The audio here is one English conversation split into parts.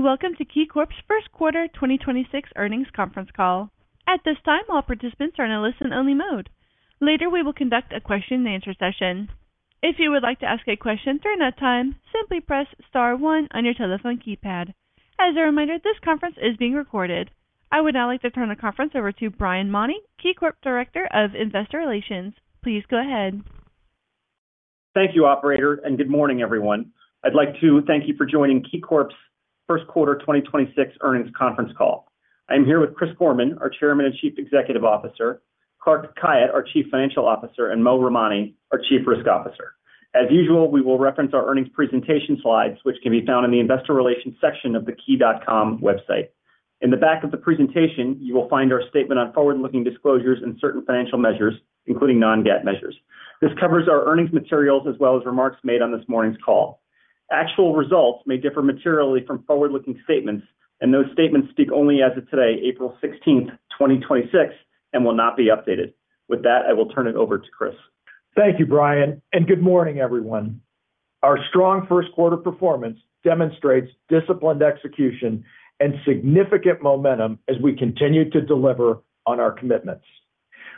Welcome to KeyCorp's Q1 2026 earnings conference call. At this time, all participants are in a listen-only mode. Later, we will conduct a question and answer session. If you would like to ask a question during that time, simply press star one on your telephone keypad. As a reminder, this conference is being recorded. I would now like to turn the conference over to Brian Mauney, KeyCorp Director of Investor Relations. Please go ahead. Thank you, operator, and good morning, everyone. I'd like to thank you for joining KeyCorp's Q1 2026 earnings conference call. I'm here with Chris Gorman, our Chairman and Chief Executive Officer, Clark Khayat, our Chief Financial Officer, and Mohit Ramani, our Chief Risk Officer. As usual, we will reference our earnings presentation slides, which can be found in the investor relations section of the key.com website. In the back of the presentation, you will find our statement on forward-looking disclosures and certain financial measures, including non-GAAP measures. This covers our earnings materials as well as remarks made on this morning's call. Actual results may differ materially from forward-looking statements, and those statements speak only as of today, April 16th, 2026, and will not be updated. With that, I will turn it over to Chris. Thank you, Brian, and good morning, everyone. Our strong Q1 performance demonstrates disciplined execution and significant momentum as we continue to deliver on our commitments.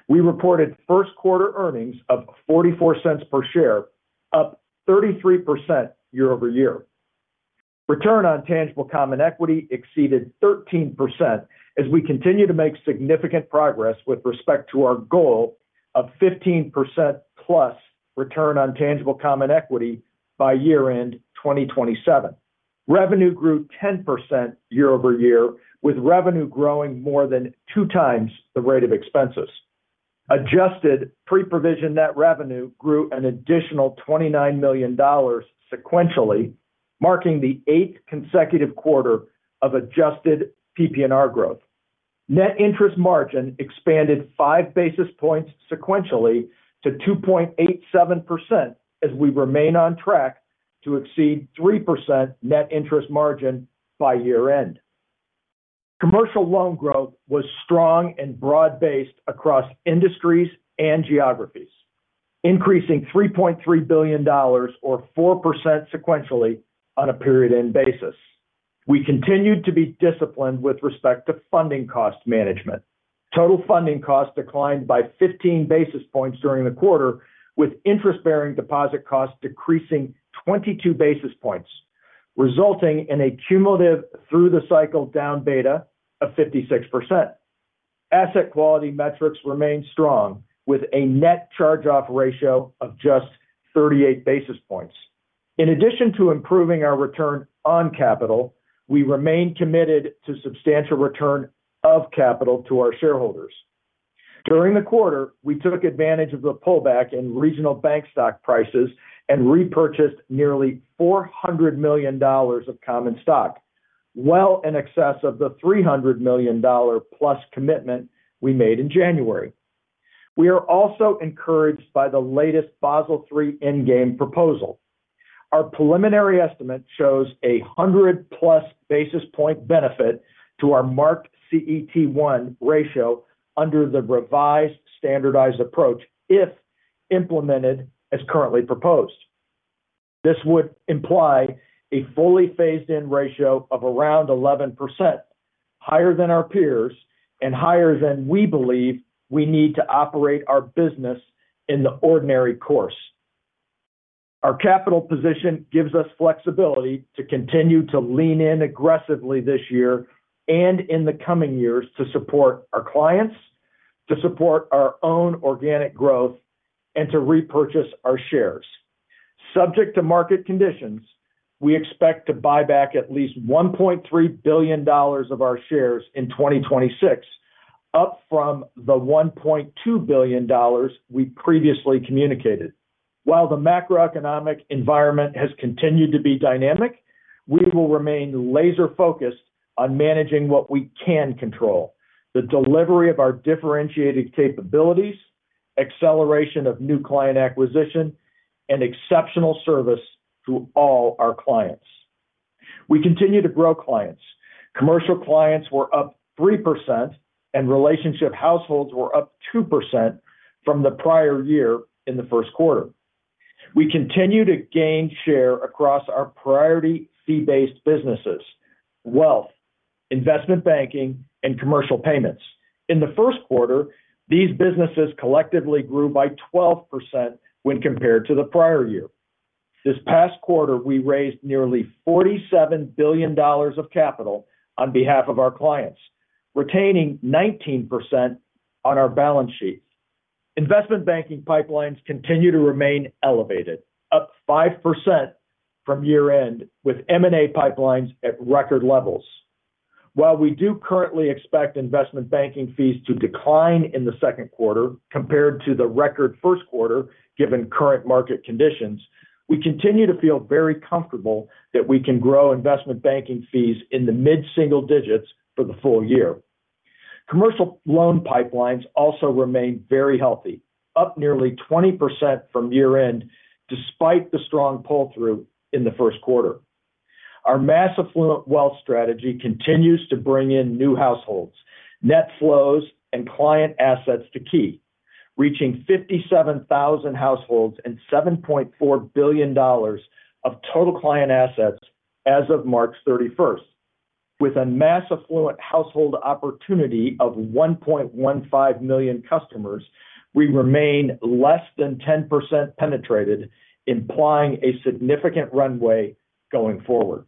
We reported Q1 earnings of $0.44 per share, up 33% year-over-year. Return on tangible common equity exceeded 13% as we continue to make significant progress with respect to our goal of 15%+ return on tangible common equity by year-end 2027. Revenue grew 10% year-over-year, with revenue growing more than 2 times the rate of expenses. Adjusted pre-provision net revenue grew an additional $29 million sequentially, marking the eighth consecutive quarter of adjusted PPNR growth. Net interest margin expanded 5 basis points sequentially to 2.87% as we remain on track to exceed 3% net interest margin by year-end. Commercial loan growth was strong and broad-based across industries and geographies, increasing $3.3 billion or 4% sequentially on a period-end basis. We continued to be disciplined with respect to funding cost management. Total funding costs declined by 15 basis points during the quarter, with interest-bearing deposit costs decreasing 22 basis points, resulting in a cumulative through the cycle down beta of 56%. Asset quality metrics remained strong with a net charge-off ratio of just 38 basis points. In addition to improving our return on capital, we remain committed to substantial return of capital to our shareholders. During the quarter, we took advantage of the pullback in regional bank stock prices and repurchased nearly $400 million of common stock, well in excess of the $300 million+ commitment we made in January. We are also encouraged by the latest Basel III endgame proposal. Our preliminary estimate shows 100+ basis point benefit to our marked CET1 ratio under the revised standardized approach if implemented as currently proposed. This would imply a fully phased-in ratio of around 11%, higher than our peers and higher than we believe we need to operate our business in the ordinary course. Our capital position gives us flexibility to continue to lean in aggressively this year and in the coming years to support our clients, to support our own organic growth, and to repurchase our shares. Subject to market conditions, we expect to buy back at least $1.3 billion of our shares in 2026, up from the $1.2 billion we previously communicated. While the macroeconomic environment has continued to be dynamic, we will remain laser-focused on managing what we can control, the delivery of our differentiated capabilities, acceleration of new client acquisition, and exceptional service to all our clients. We continue to grow clients. Commercial clients were up 3%, and relationship households were up 2% from the prior year in the Q1. We continue to gain share across our priority fee-based businesses, wealth, investment banking, and commercial payments. In the Q1, these businesses collectively grew by 12% when compared to the prior year. This past quarter, we raised nearly $47 billion of capital on behalf of our clients, retaining 19% on our balance sheet. Investment banking pipelines continue to remain elevated, up 5% from year-end, with M&A pipelines at record levels. While we do currently expect investment banking fees to decline in the Q2 compared to the record Q1, given current market conditions, we continue to feel very comfortable that we can grow investment banking fees in the mid-single digits for the full year. Commercial loan pipelines also remain very healthy, up nearly 20% from year-end, despite the strong pull-through in the Q1. Our mass affluent wealth strategy continues to bring in new households, net flows, and client assets to Key. Reaching 57,000 households and $7.4 billion of total client assets as of March 31st. With a mass affluent household opportunity of 1.15 million customers, we remain less than 10% penetrated, implying a significant runway going forward.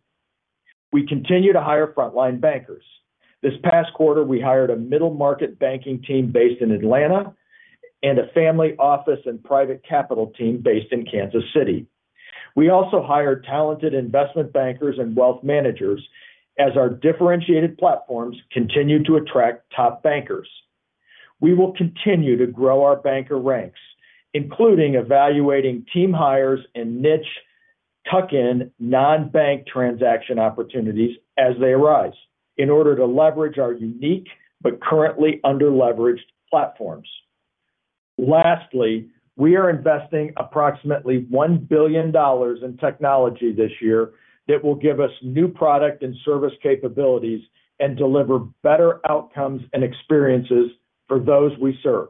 We continue to hire frontline bankers. This past quarter, we hired a middle market banking team based in Atlanta and a family office and private capital team based in Kansas City. We also hired talented investment bankers and wealth managers as our differentiated platforms continue to attract top bankers. We will continue to grow our banker ranks, including evaluating team hires and niche tuck-in non-bank transaction opportunities as they arise in order to leverage our unique but currently under-leveraged platforms. Lastly, we are investing approximately $1 billion in technology this year that will give us new product and service capabilities and deliver better outcomes and experiences for those we serve.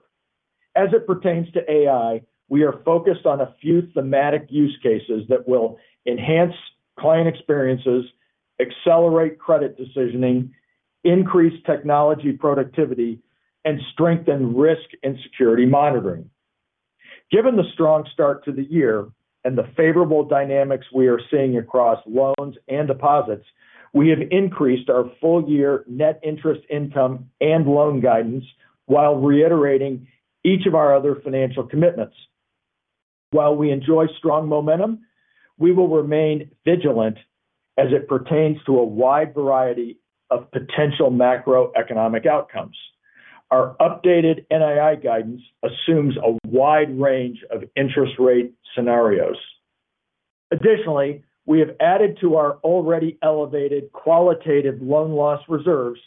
As it pertains to AI, we are focused on a few thematic use cases that will enhance client experiences, accelerate credit decisioning, increase technology productivity, and strengthen risk and security monitoring. Given the strong start to the year and the favorable dynamics we are seeing across loans and deposits, we have increased our full year net interest income and loan guidance while reiterating each of our other financial commitments. While we enjoy strong momentum, we will remain vigilant as it pertains to a wide variety of potential macroeconomic outcomes. Our updated NII guidance assumes a wide range of interest rate scenarios. Additionally, we have added to our already elevated qualitative loan loss reserves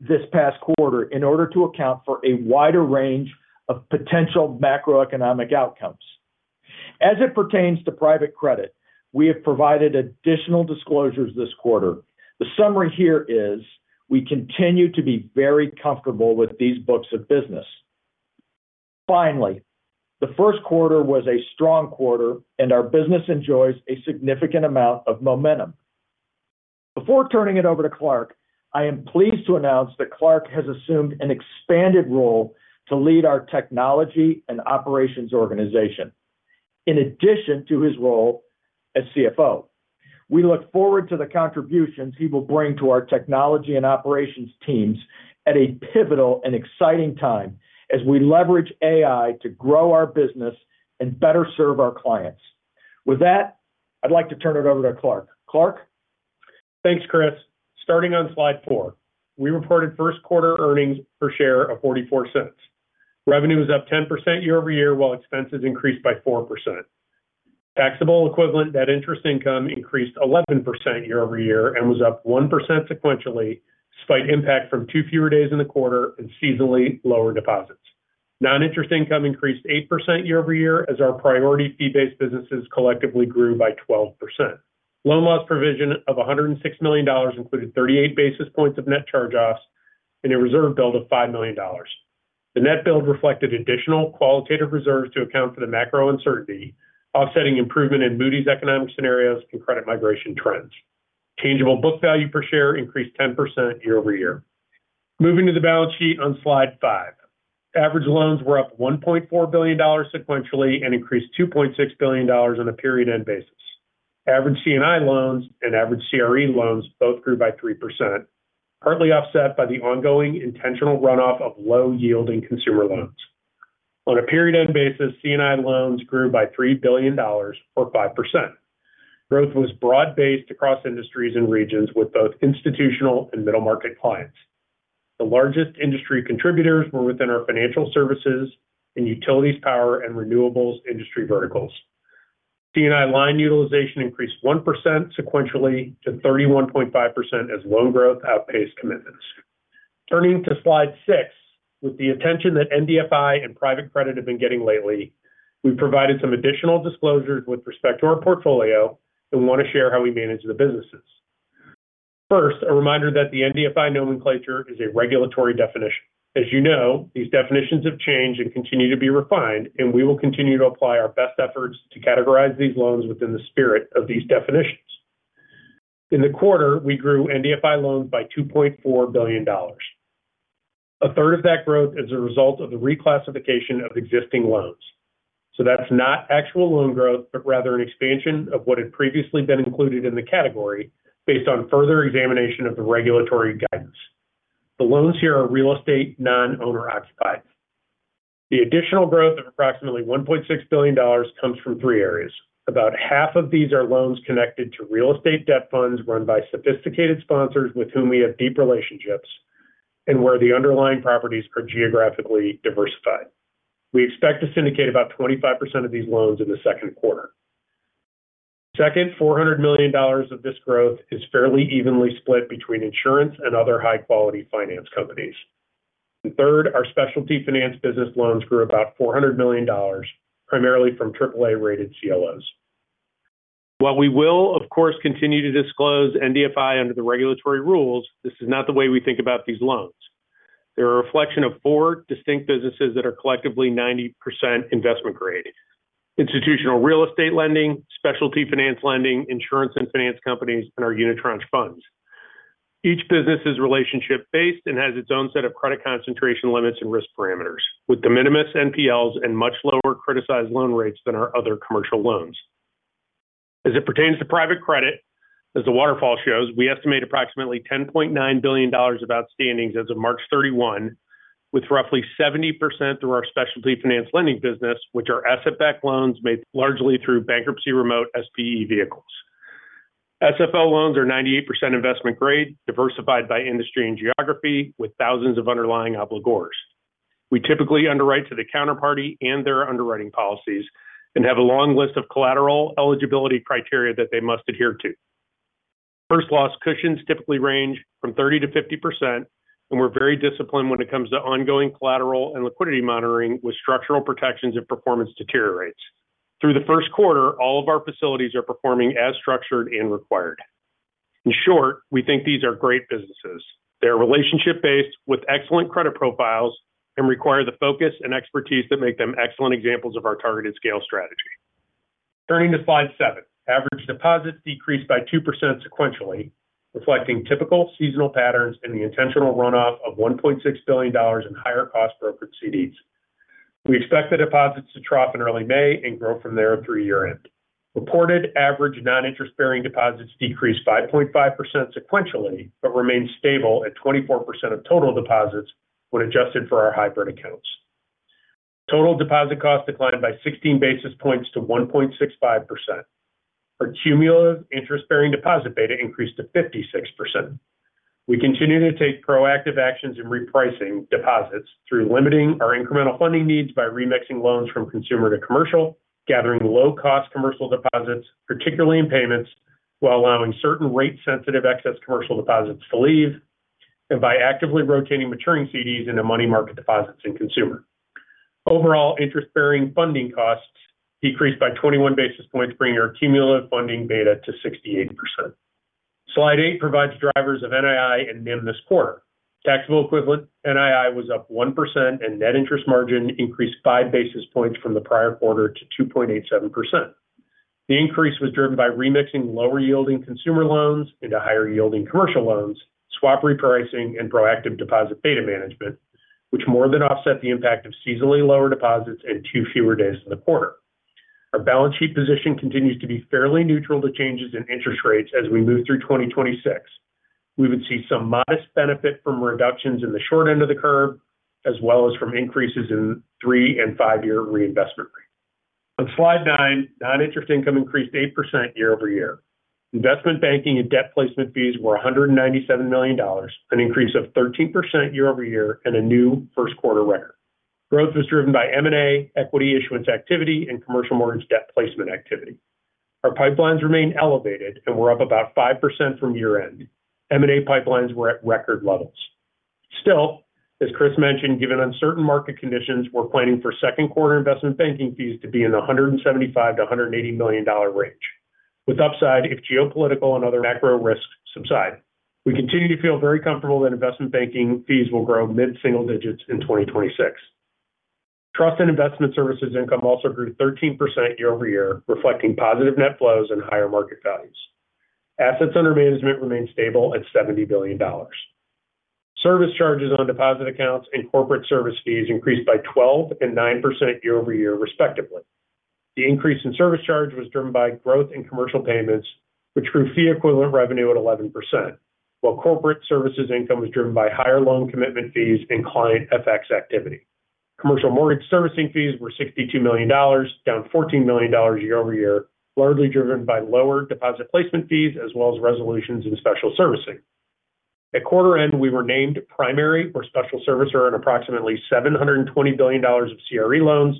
this past quarter in order to account for a wider range of potential macroeconomic outcomes. As it pertains to private credit, we have provided additional disclosures this quarter. The summary here is we continue to be very comfortable with these books of business. Finally, the Q1 was a strong quarter, and our business enjoys a significant amount of momentum. Before turning it over to Clark, I am pleased to announce that Clark has assumed an expanded role to lead our technology and operations organization in addition to his role as CFO. We look forward to the contributions he will bring to our technology and operations teams at a pivotal and exciting time as we leverage AI to grow our business and better serve our clients. With that, I'd like to turn it over to Clark. Clark? Thanks, Chris. Starting on slide four. We reported Q1 earnings per share of $0.44. Revenue was up 10% year-over-year, while expenses increased by 4%. Taxable-equivalent net interest income increased 11% year-over-year and was up 1% sequentially, despite impact from two fewer days in the quarter and seasonally lower deposits. Non-interest income increased 8% year-over-year as our priority fee-based businesses collectively grew by 12%. Loan loss provision of $106 million included 38 basis points of net charge-offs and a reserve build of $5 million. The net build reflected additional qualitative reserves to account for the macro uncertainty, offsetting improvement in Moody's economic scenarios and credit migration trends. Tangible book value per share increased 10% year-over-year. Moving to the balance sheet on slide five. Average loans were up $1.4 billion sequentially and increased $2.6 billion on a period-end basis. Average C&I loans and average CRE loans both grew by 3%, partly offset by the ongoing intentional runoff of low-yielding consumer loans. On a period-end basis, C&I loans grew by $3 billion or 5%. Growth was broad-based across industries and regions with both institutional and middle-market clients. The largest industry contributors were within our financial services and utilities, power, and renewables industry verticals. C&I line utilization increased 1% sequentially to 31.5% as loan growth outpaced commitments. Turning to slide 6. With the attention that MDFI and private credit have been getting lately, we've provided some additional disclosures with respect to our portfolio and want to share how we manage the businesses. First, a reminder that the MDFI nomenclature is a regulatory definition. As you know, these definitions have changed and continue to be refined, and we will continue to apply our best efforts to categorize these loans within the spirit of these definitions. In the quarter, we grew MDFI loans by $2.4 billion. A third of that growth is a result of the reclassification of existing loans. That's not actual loan growth, but rather an expansion of what had previously been included in the category based on further examination of the regulatory guidance. The loans here are real estate non-owner-occupied. The additional growth of approximately $1.6 billion comes from three areas. About half of these are loans connected to real estate debt funds run by sophisticated sponsors with whom we have deep relationships, and where the underlying properties are geographically diversified. We expect to syndicate about 25% of these loans in the Q2. Second, $400 million of this growth is fairly evenly split between insurance and other high-quality finance companies. Third, our specialty finance business loans grew about $400 million, primarily from AAA-rated CLOs. While we will, of course, continue to disclose MDFI under the regulatory rules, this is not the way we think about these loans. They're a reflection of four distinct businesses that are collectively 90% investment grade. Institutional real estate lending, specialty finance lending, insurance and finance companies, and our unitranche funds. Each business is relationship-based and has its own set of credit concentration limits and risk parameters with de minimis NPLs and much lower criticized loan rates than our other commercial loans. As it pertains to private credit, as the waterfall shows, we estimate approximately $10.9 billion of outstandings as of March 31, with roughly 70% through our specialty finance lending business, which are asset-backed loans made largely through bankruptcy remote SPE vehicles. SFL loans are 98% investment grade, diversified by industry and geography with thousands of underlying obligors. We typically underwrite to the counterparty and their underwriting policies and have a long list of collateral eligibility criteria that they must adhere to. First loss cushions typically range from 30%-50%, and we're very disciplined when it comes to ongoing collateral and liquidity monitoring with structural protections if performance deteriorates. Through the Q1, all of our facilities are performing as structured and required. In short, we think these are great businesses. They are relationship-based with excellent credit profiles and require the focus and expertise that make them excellent examples of our targeted scale strategy. Turning to slide 7. Average deposits decreased by 2% sequentially, reflecting typical seasonal patterns and the intentional runoff of $1.6 billion in higher cost brokered CDs. We expect the deposits to trough in early May and grow from there through year-end. Reported average non-interest-bearing deposits decreased 5.5% sequentially, but remained stable at 24% of total deposits when adjusted for our hybrid accounts. Total deposit costs declined by 16 basis points to 1.65%. Our cumulative interest-bearing deposit beta increased to 56%. We continue to take proactive actions in repricing deposits through limiting our incremental funding needs by remixing loans from consumer to commercial, gathering low-cost commercial deposits, particularly in payments, while allowing certain rate-sensitive excess commercial deposits to leave, and by actively rotating maturing CDs into money market deposits and consumer. Overall interest-bearing funding costs decreased by 21 basis points, bringing our cumulative funding beta to 68%. Slide 8 provides drivers of NII and NIM this quarter. Taxable equivalent NII was up 1% and net interest margin increased 5 basis points from the prior quarter to 2.87%. The increase was driven by remixing lower yielding consumer loans into higher yielding commercial loans, swap repricing, and proactive deposit beta management, which more than offset the impact of seasonally lower deposits and 2 fewer days in the quarter. Our balance sheet position continues to be fairly neutral to changes in interest rates as we move through 2026. We would see some modest benefit from reductions in the short end of the curve, as well as from increases in three- and five-year reinvestment rates. On slide nine, non-interest income increased 8% year-over-year. Investment banking and debt placement fees were $197 million, an increase of 13% year-over-year and a new Q1 record. Growth was driven by M&A, equity issuance activity, and commercial mortgage debt placement activity. Our pipelines remain elevated, and we're up about 5% from year-end. M&A pipelines were at record levels. Still, as Chris mentioned, given uncertain market conditions, we're planning for Q2 investment banking fees to be in the $175 million-$180 million range with upside if geopolitical and other macro risks subside. We continue to feel very comfortable that investment banking fees will grow mid-single digits in 2026. Trust and investment services income also grew 13% year-over-year, reflecting positive net flows and higher market values. Assets under management remained stable at $70 billion. Service charges on deposit accounts and corporate service fees increased by 12% and 9% year-over-year respectively. The increase in service charge was driven by growth in commercial payments, which grew fee equivalent revenue at 11%, while corporate services income was driven by higher loan commitment fees and client FX activity. Commercial mortgage servicing fees were $62 million, down $14 million year-over-year, largely driven by lower deposit placement fees as well as resolutions in special servicing. At quarter end, we were named primary or special servicer on approximately $720 billion of CRE loans,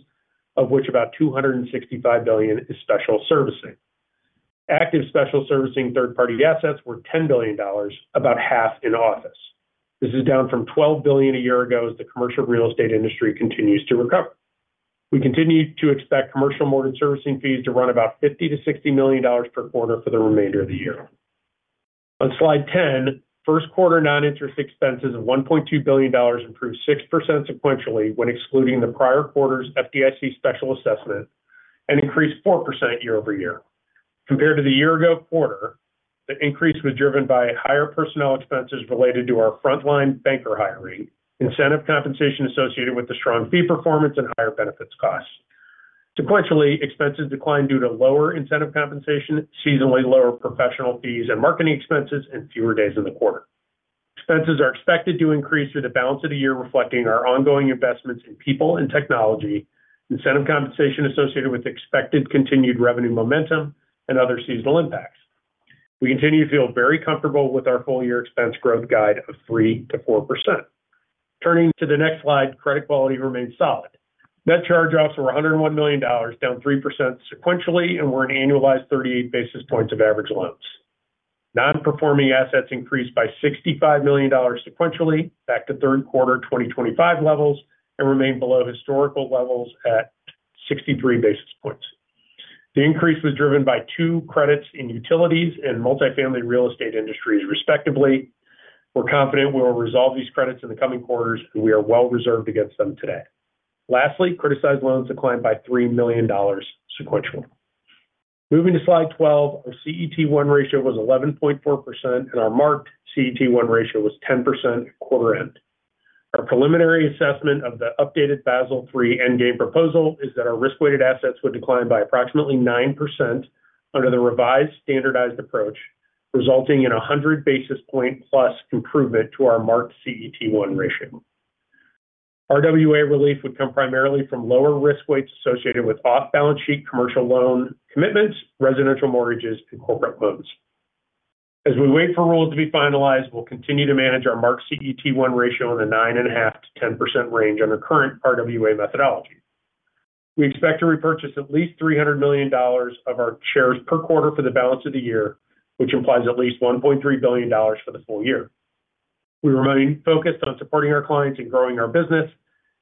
of which about $265 billion is special servicing. Active special servicing third-party assets were $10 billion, about half in office. This is down from $12 billion a year ago as the commercial real estate industry continues to recover. We continue to expect commercial mortgage servicing fees to run about $50 million-$60 million per quarter for the remainder of the year. On slide 10, Q1 non-interest expenses of $1.2 billion improved 6% sequentially when excluding the prior quarter's FDIC special assessment and increased 4% year-over-year. Compared to the year ago quarter, the increase was driven by higher personnel expenses related to our frontline banker hiring, incentive compensation associated with the strong fee performance, and higher benefits costs. Sequentially, expenses declined due to lower incentive compensation, seasonally lower professional fees and marketing expenses, and fewer days in the quarter. Expenses are expected to increase through the balance of the year, reflecting our ongoing investments in people and technology, incentive compensation associated with expected continued revenue momentum, and other seasonal impacts. We continue to feel very comfortable with our full-year expense growth guide of 3%-4%. Turning to the next slide. Credit quality remains solid. Net charge-offs were $101 million, down 3% sequentially, and were an annualized 38 basis points of average loans. Non-performing assets increased by $65 million sequentially back to Q3 2025 levels and remain below historical levels at 63 basis points. The increase was driven by two credits in utilities and multi-family real estate industries, respectively. We're confident we will resolve these credits in the coming quarters, and we are well reserved against them today. Lastly, criticized loans declined by $3 million sequentially. Moving to slide 12, our CET1 ratio was 11.4%, and our marked CET1 ratio was 10% at quarter end. Our preliminary assessment of the updated Basel III endgame proposal is that our risk-weighted assets would decline by approximately 9% under the revised standardized approach, resulting in 100 basis points plus improvement to our marked CET1 ratio. RWA relief would come primarily from lower risk weights associated with off-balance sheet commercial loan commitments, residential mortgages, and corporate loans. As we wait for rules to be finalized, we'll continue to manage our marked CET1 ratio in the 9.5%-10% range under current RWA methodology. We expect to repurchase at least $300 million of our shares per quarter for the balance of the year, which implies at least $1.3 billion for the full year. We remain focused on supporting our clients and growing our business,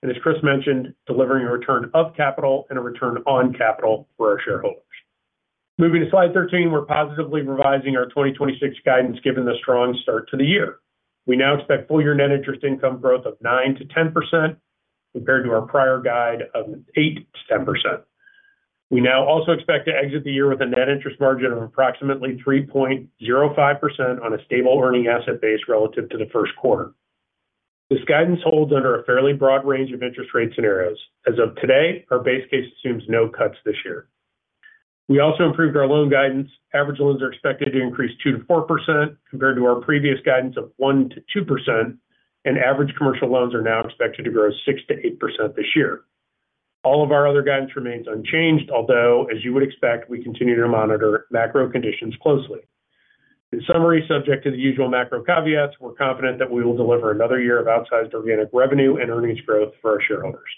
and as Chris mentioned, delivering a return of capital and a return on capital for our shareholders. Moving to slide 13, we're positively revising our 2026 guidance given the strong start to the year. We now expect full year net interest income growth of 9%-10%, compared to our prior guide of 8%-10%. We now also expect to exit the year with a net interest margin of approximately 3.05% on a stable earning asset base relative to the Q1. This guidance holds under a fairly broad range of interest rate scenarios. As of today, our base case assumes no cuts this year. We also improved our loan guidance. Average loans are expected to increase 2%-4%, compared to our previous guidance of 1%-2%, and average commercial loans are now expected to grow 6%-8% this year. All of our other guidance remains unchanged, although, as you would expect, we continue to monitor macro conditions closely. In summary, subject to the usual macro caveats, we're confident that we will deliver another year of outsized organic revenue and earnings growth for our shareholders.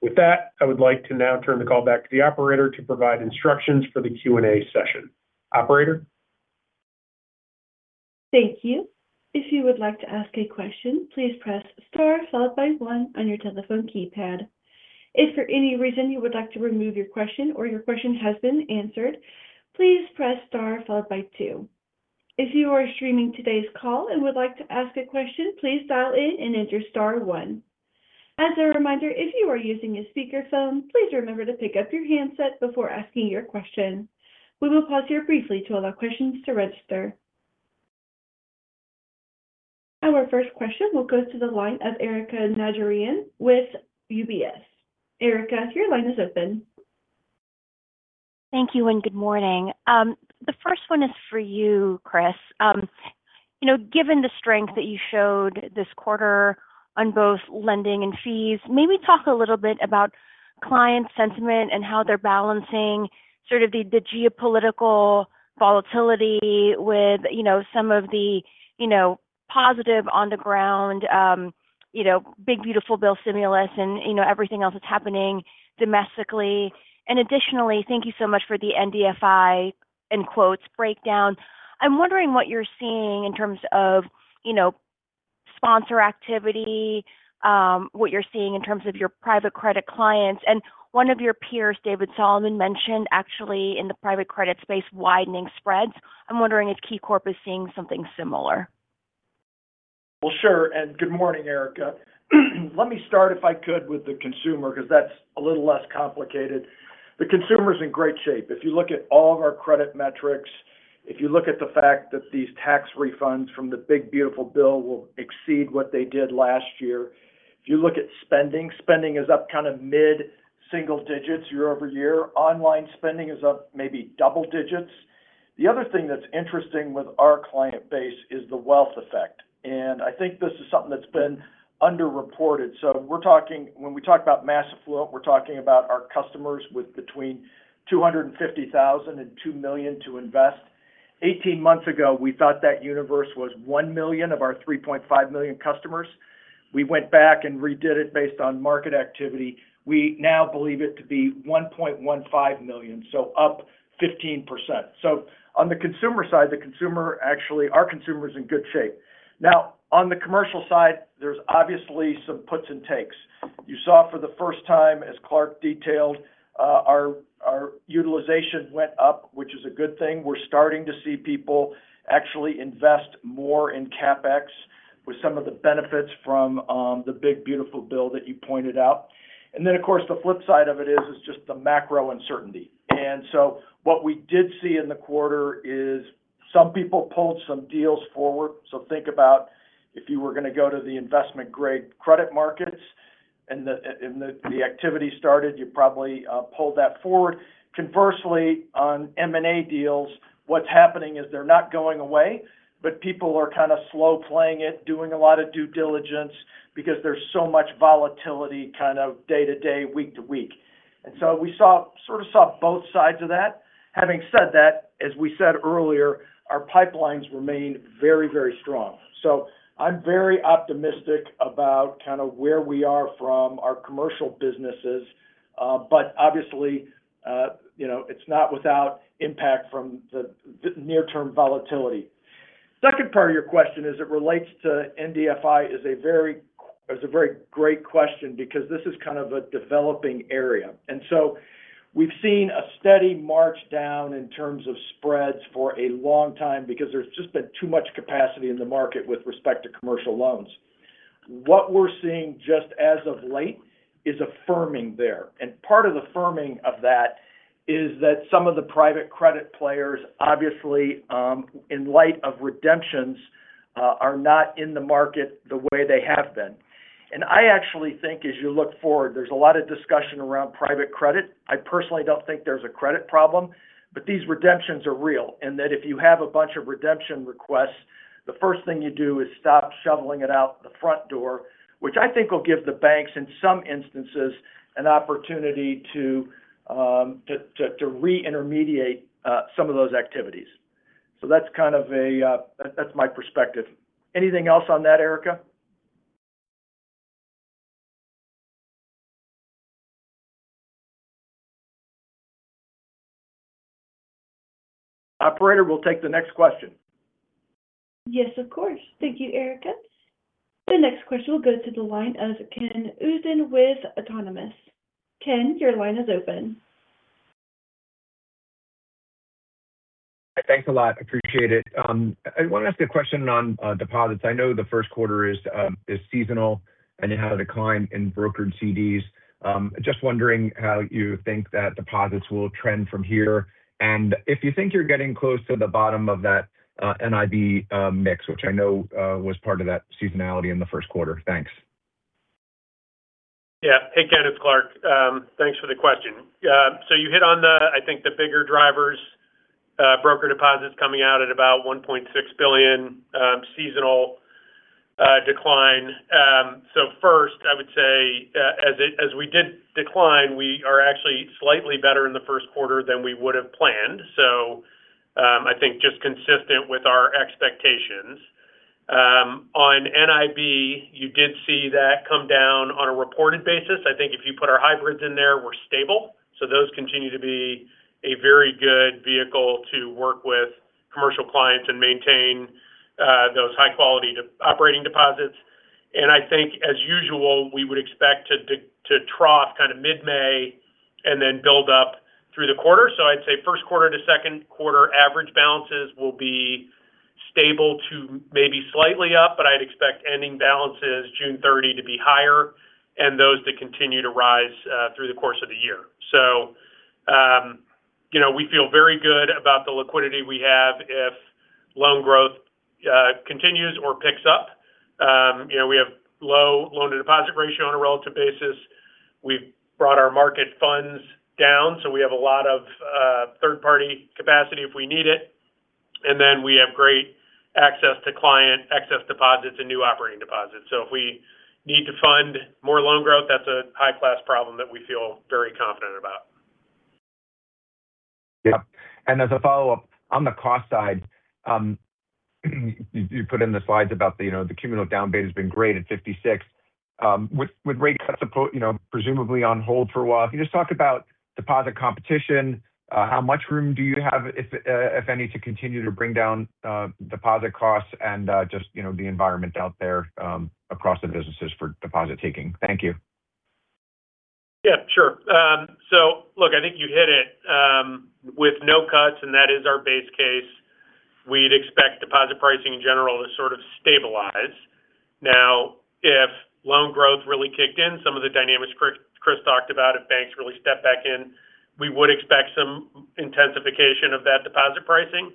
With that, I would like to now turn the call back to the operator to provide instructions for the Q&A session. Operator? Thank you. If you would like to ask a question, please press star followed by one on your telephone keypad. If for any reason you would like to remove your question or your question has been answered, please press star followed by two. If you are streaming today's call and would like to ask a question, please dial in and enter star one. As a reminder, if you are using a speakerphone, please remember to pick up your handset before asking your question. We will pause here briefly to allow questions to register. Our first question will go to the line of Erika Najarian with UBS. Erika, your line is open. Thank you, and good morning. The first one is for you, Chris. Given the strength that you showed this quarter on both lending and fees, maybe talk a little bit about client sentiment and how they're balancing sort of the geopolitical volatility with some of the positive on the ground Big Beautiful Bill stimulus and everything else that's happening domestically. Additionally, thank you so much for the MDFI, in quotes, breakdown. I'm wondering what you're seeing in terms of sponsor activity, what you're seeing in terms of your private credit clients. One of your peers, David Solomon, mentioned actually in the private credit space, widening spreads. I'm wondering if KeyCorp is seeing something similar. Well, sure. Good morning, Erika. Let me start if I could, with the consumer, because that's a little less complicated. The consumer's in great shape. If you look at all of our credit metrics, if you look at the fact that these tax refunds from the Big Beautiful Bill will exceed what they did last year. If you look at spending is up kind of mid-single digits year-over-year. Online spending is up maybe double digits. The other thing that's interesting with our client base is the wealth effect. I think this is something that's been underreported. When we talk about massive flow, we're talking about our customers with between $250,000 and $2 million to invest. 18 months ago, we thought that universe was 1 million of our 3.5 million customers. We went back and redid it based on market activity. We now believe it to be 1.15 million, so up 15%. On the consumer side, our consumer is in good shape. Now, on the commercial side, there's obviously some puts and takes. You saw for the first time, as Clark detailed, our utilization went up, which is a good thing. We're starting to see people actually invest more in CapEx with some of the benefits from the Big Beautiful Bill that you pointed out. Of course, the flip side of it is just the macro uncertainty. What we did see in the quarter is some people pulled some deals forward. Think about if you were going to go to the investment-grade credit markets and the activity started, you probably pulled that forward. Conversely, on M&A deals, what's happening is they're not going away, but people are kind of slow playing it, doing a lot of due diligence because there's so much volatility kind of day to day, week to week. We sort of saw both sides of that. Having said that, as we said earlier, our pipelines remain very strong. I'm very optimistic about where we are from our commercial businesses. Obviously, it's not without impact from the near-term volatility. Second part of your question as it relates to MDFI is a very great question because this is kind of a developing area. We've seen a steady march down in terms of spreads for a long time because there's just been too much capacity in the market with respect to commercial loans. What we're seeing just as of late is a firming there, and part of the firming of that is that some of the private credit players, obviously, in light of redemptions, are not in the market the way they have been. I actually think as you look forward, there's a lot of discussion around private credit. I personally don't think there's a credit problem, but these redemptions are real and that if you have a bunch of redemption requests, the first thing you do is stop shoveling it out the front door, which I think will give the banks, in some instances, an opportunity to re-intermediate some of those activities. That's my perspective. Anything else on that, Erika? Operator, we'll take the next question. Yes, of course. Thank you, Erika. The next question will go to the line of Ken Usdin with Autonomous. Ken, your line is open. Thanks a lot. Appreciate it. I want to ask a question on deposits. I know the Q1 is seasonal and it had a decline in brokered CDs. Just wondering how you think that deposits will trend from here. If you think you're getting close to the bottom of that NIB mix, which I know was part of that seasonality in the Q1. Thanks. Yeah. Hey, Ken. It's Clark. Thanks for the question. You hit on the, I think the bigger drivers, broker deposits coming out at about $1.6 billion seasonal decline. First, I would say as we did decline, we are actually slightly better in the Q1 than we would have planned. I think just consistent with our expectations. On NIB, you did see that come down on a reported basis. I think if you put our hybrids in there, we're stable. Those continue to be a very good vehicle to work with commercial clients and maintain those high-quality operating deposits. I think as usual, we would expect to trough kind of mid-May and then build up through the quarter. I'd say Q1 to Q2 average balances will be stable to maybe slightly up, but I'd expect ending balances June 30 to be higher and those to continue to rise through the course of the year. We feel very good about the liquidity we have if loan growth continues or picks up. We have low loan-to-deposit ratio on a relative basis. We've brought our market funds down, so we have a lot of third-party capacity if we need it. And then we have great access to client excess deposits and new operating deposits. If we need to fund more loan growth, that's a high-class problem that we feel very confident about. Yeah. As a follow-up on the cost side, you put in the slides about the cumulative down beta has been great at 56, with rate cuts presumably on hold for a while. Can you just talk about deposit competition? How much room do you have, if any, to continue to bring down deposit costs and just the environment out there across the businesses for deposit taking? Thank you. Yeah, sure. Look, I think you hit it. With no cuts, and that is our base case, we'd expect deposit pricing in general to sort of stabilize. Now, if loan growth really kicked in, some of the dynamics Chris talked about, if banks really step back in, we would expect some intensification of that deposit pricing.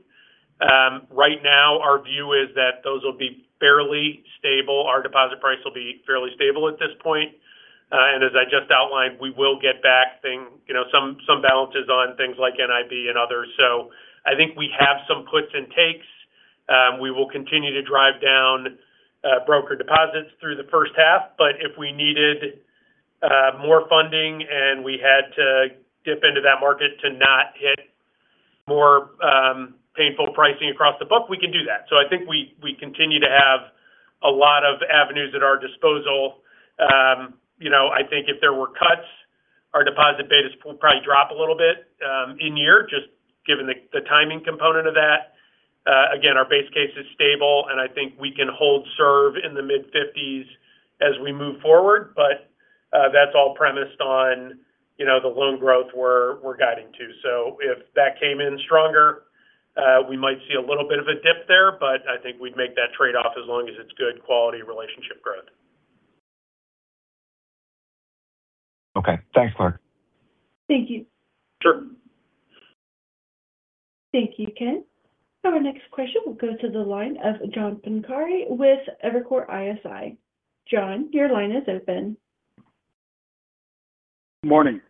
Right now, our view is that those will be fairly stable. Our deposit price will be fairly stable at this point. As I just outlined, we will get back some balances on things like NIB and others. I think we have some puts and takes. We will continue to drive down broker deposits through the first half, but if we needed more funding and we had to dip into that market to not hit more painful pricing across the book, we can do that. I think we continue to have a lot of avenues at our disposal. I think if there were cuts, our deposit betas will probably drop a little bit in a year, just given the timing component of that. Again, our base case is stable, and I think we can hold serve in the mid-50s as we move forward. That's all premised on the loan growth we're guiding to. If that came in stronger, we might see a little bit of a dip there, but I think we'd make that trade-off as long as it's good quality relationship growth. Okay. Thanks, Clark. Thank you. Sure. Thank you, Ken. Our next question will go to the line of John Pancari with Evercore ISI. John, your line is open. Morning.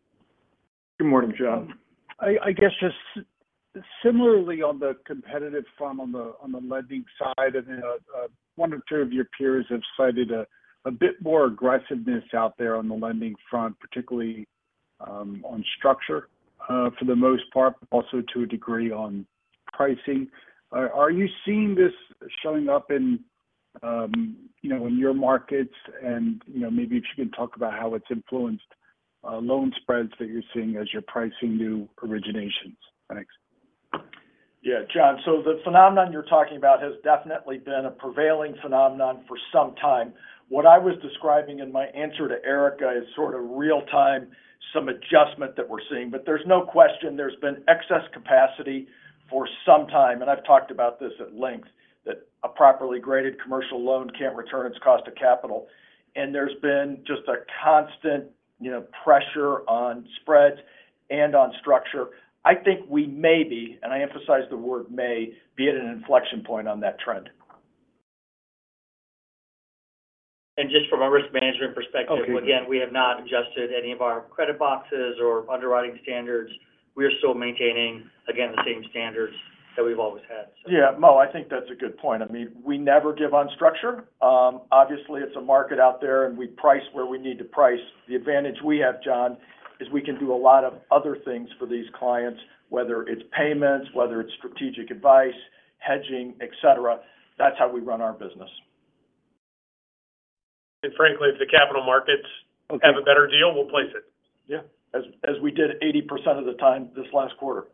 Good morning, John. I guess just similarly on the competitive front on the lending side, and one or two of your peers have cited a bit more aggressiveness out there on the lending front, particularly on structure for the most part, but also to a degree on pricing. Are you seeing this showing up in your markets, and maybe if you can talk about how it's influenced loan spreads that you're seeing as you're pricing new originations. Thanks. Yeah, John. The phenomenon you're talking about has definitely been a prevailing phenomenon for some time. What I was describing in my answer to Erika is sort of real time, some adjustment that we're seeing. There's no question there's been excess capacity for some time, and I've talked about this at length, that a properly graded commercial loan can't return its cost of capital. There's been just a constant pressure on spreads and on structure. I think we may be, and I emphasize the word may, be at an inflection point on that trend. Just from a risk management perspective. Okay. Again, we have not adjusted any of our credit boxes or underwriting standards. We are still maintaining, again, the same standards that we've always had, so. Yeah, Mo, I think that's a good point. We never give on structure. Obviously, it's a market out there, and we price where we need to price. The advantage we have, John, is we can do a lot of other things for these clients, whether it's payments, whether it's strategic advice, hedging, et cetera. That's how we run our business. Frankly, if the capital markets- Okay have a better deal, we'll place it. Yeah. As we did 80% of the time this last quarter.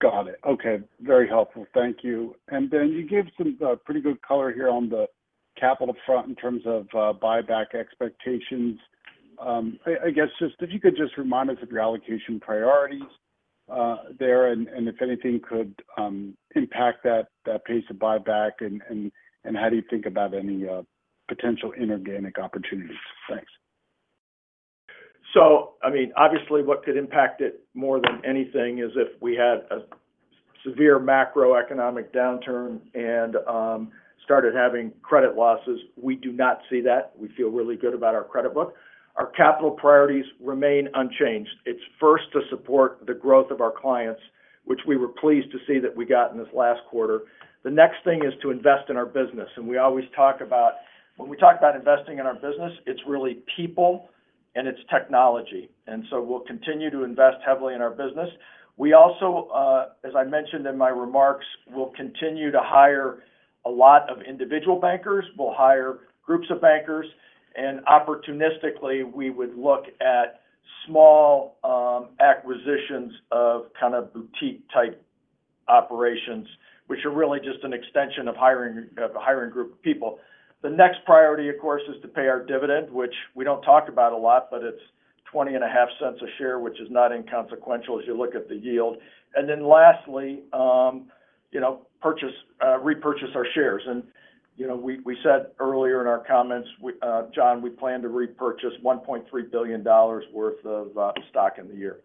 Got it. Okay. Very helpful. Thank you. You gave some pretty good color here on the capital front in terms of buyback expectations. I guess, if you could just remind us of your allocation priorities there and if anything could impact that pace of buyback and how do you think about any potential inorganic opportunities? Thanks. Obviously, what could impact it more than anything is if we had a severe macroeconomic downturn and started having credit losses. We do not see that. We feel really good about our credit book. Our capital priorities remain unchanged. It's first to support the growth of our clients, which we were pleased to see that we got in this last quarter. The next thing is to invest in our business, and we always talk about when we talk about investing in our business, it's really people and it's technology. We'll continue to invest heavily in our business. We also, as I mentioned in my remarks, will continue to hire a lot of individual bankers. We'll hire groups of bankers, and opportunistically, we would look at small acquisitions of kind of boutique type operations, which are really just an extension of hiring a group of people. The next priority, of course, is to pay our dividend, which we don't talk about a lot, but it's $0.205 a share, which is not inconsequential as you look at the yield. Lastly, repurchase our shares. We said earlier in our comments, John, we plan to repurchase $1.3 billion worth of stock in the year.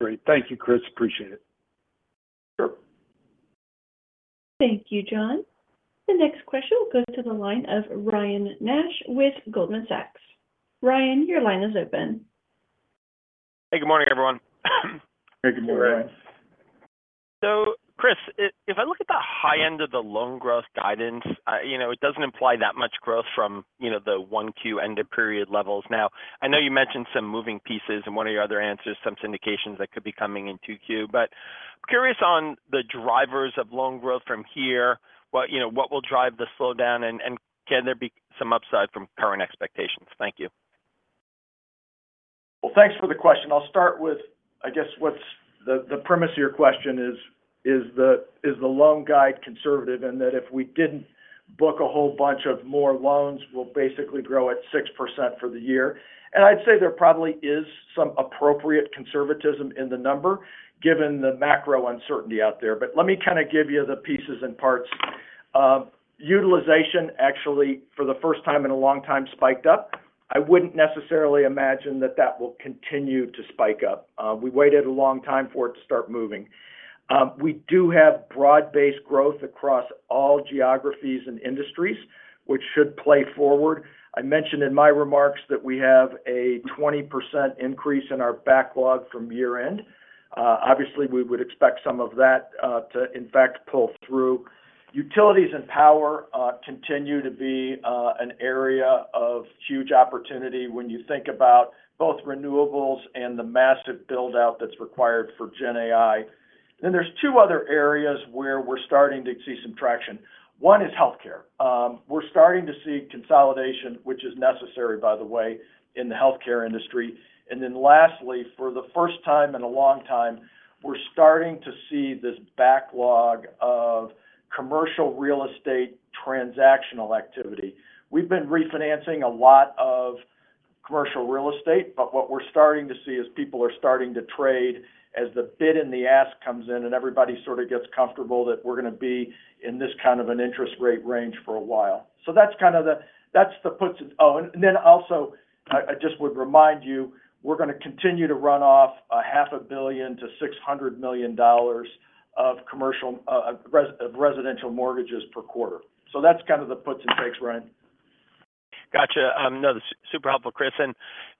Great. Thank you, Chris. Appreciate it. Sure. Thank you, John. The next question will go to the line of Ryan Nash with Goldman Sachs. Ryan, your line is open. Hey, good morning, everyone. Hey, good morning, Ryan. Chris, if I look at the high end of the loan growth guidance, it doesn't imply that much growth from the 1Q end-of-period levels. Now, I know you mentioned some moving parts in one of your other answers, some syndications that could be coming in 2Q, but I'm curious on the drivers of loan growth from here. What will drive the slowdown and can there be some upside from current expectations? Thank you. Well, thanks for the question. I'll start with, I guess, what's the premise of your question is the loan guide conservative, and that if we didn't book a whole bunch of more loans, we'll basically grow at 6% for the year. I'd say there probably is some appropriate conservatism in the number, given the macro uncertainty out there. Let me kind of give you the pieces and parts. Utilization actually, for the first time in a long time, spiked up. I wouldn't necessarily imagine that that will continue to spike up. We waited a long time for it to start moving. We do have broad-based growth across all geographies and industries, which should play forward. I mentioned in my remarks that we have a 20% increase in our backlog from year-end. Obviously, we would expect some of that to in fact pull through. Utilities and power continue to be an area of huge opportunity when you think about both renewables and the massive build-out that's required for GenAI. There's two other areas where we're starting to see some traction. One is healthcare. We're starting to see consolidation, which is necessary, by the way, in the healthcare industry. Lastly, for the first time in a long time, we're starting to see this backlog of commercial real estate transactional activity. We've been refinancing a lot of commercial real estate, but what we're starting to see is people are starting to trade as the bid and the ask comes in and everybody sort of gets comfortable that we're going to be in this kind of an interest rate range for a while. That's the puts and then also I just would remind you, we're going to continue to run off $0.5 billion to $600 million of residential mortgages per quarter. That's kind of the puts and takes, Ryan. Gotcha. No, this is super helpful, Chris.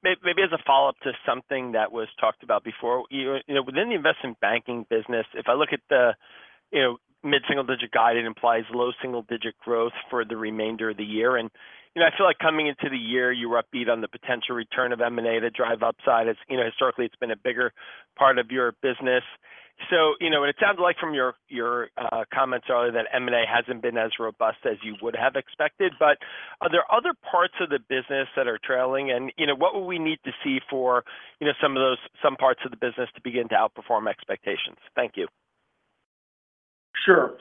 Maybe as a follow-up to something that was talked about before. Within the investment banking business, if I look at the mid-single-digit guide, it implies low single-digit growth for the remainder of the year. I feel like coming into the year, you were upbeat on the potential return of M&A to drive upside. Historically, it's been a bigger part of your business. It sounds like from your comments earlier that M&A hasn't been as robust as you would have expected, but are there other parts of the business that are trailing? What would we need to see for some parts of the business to begin to outperform expectations? Thank you. Sure.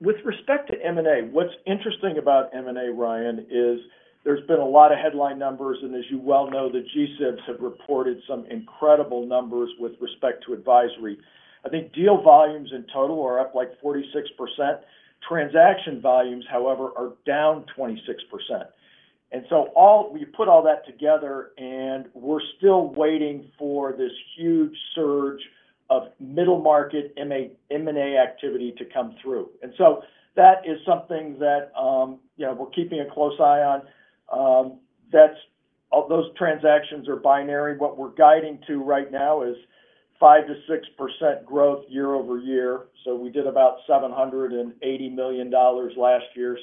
With respect to M&A, what's interesting about M&A, Ryan, is there's been a lot of headline numbers, and as you well know, the GSIBs have reported some incredible numbers with respect to advisory. I think deal volumes in total are up like 46%. Transaction volumes, however, are down 26%. You put all that together, and we're still waiting for this huge surge of middle market M&A activity to come through. That is something that we're keeping a close eye on. Those transactions are binary. What we're guiding to right now is 5%-6% growth year-over-year. We did about $780 million last year.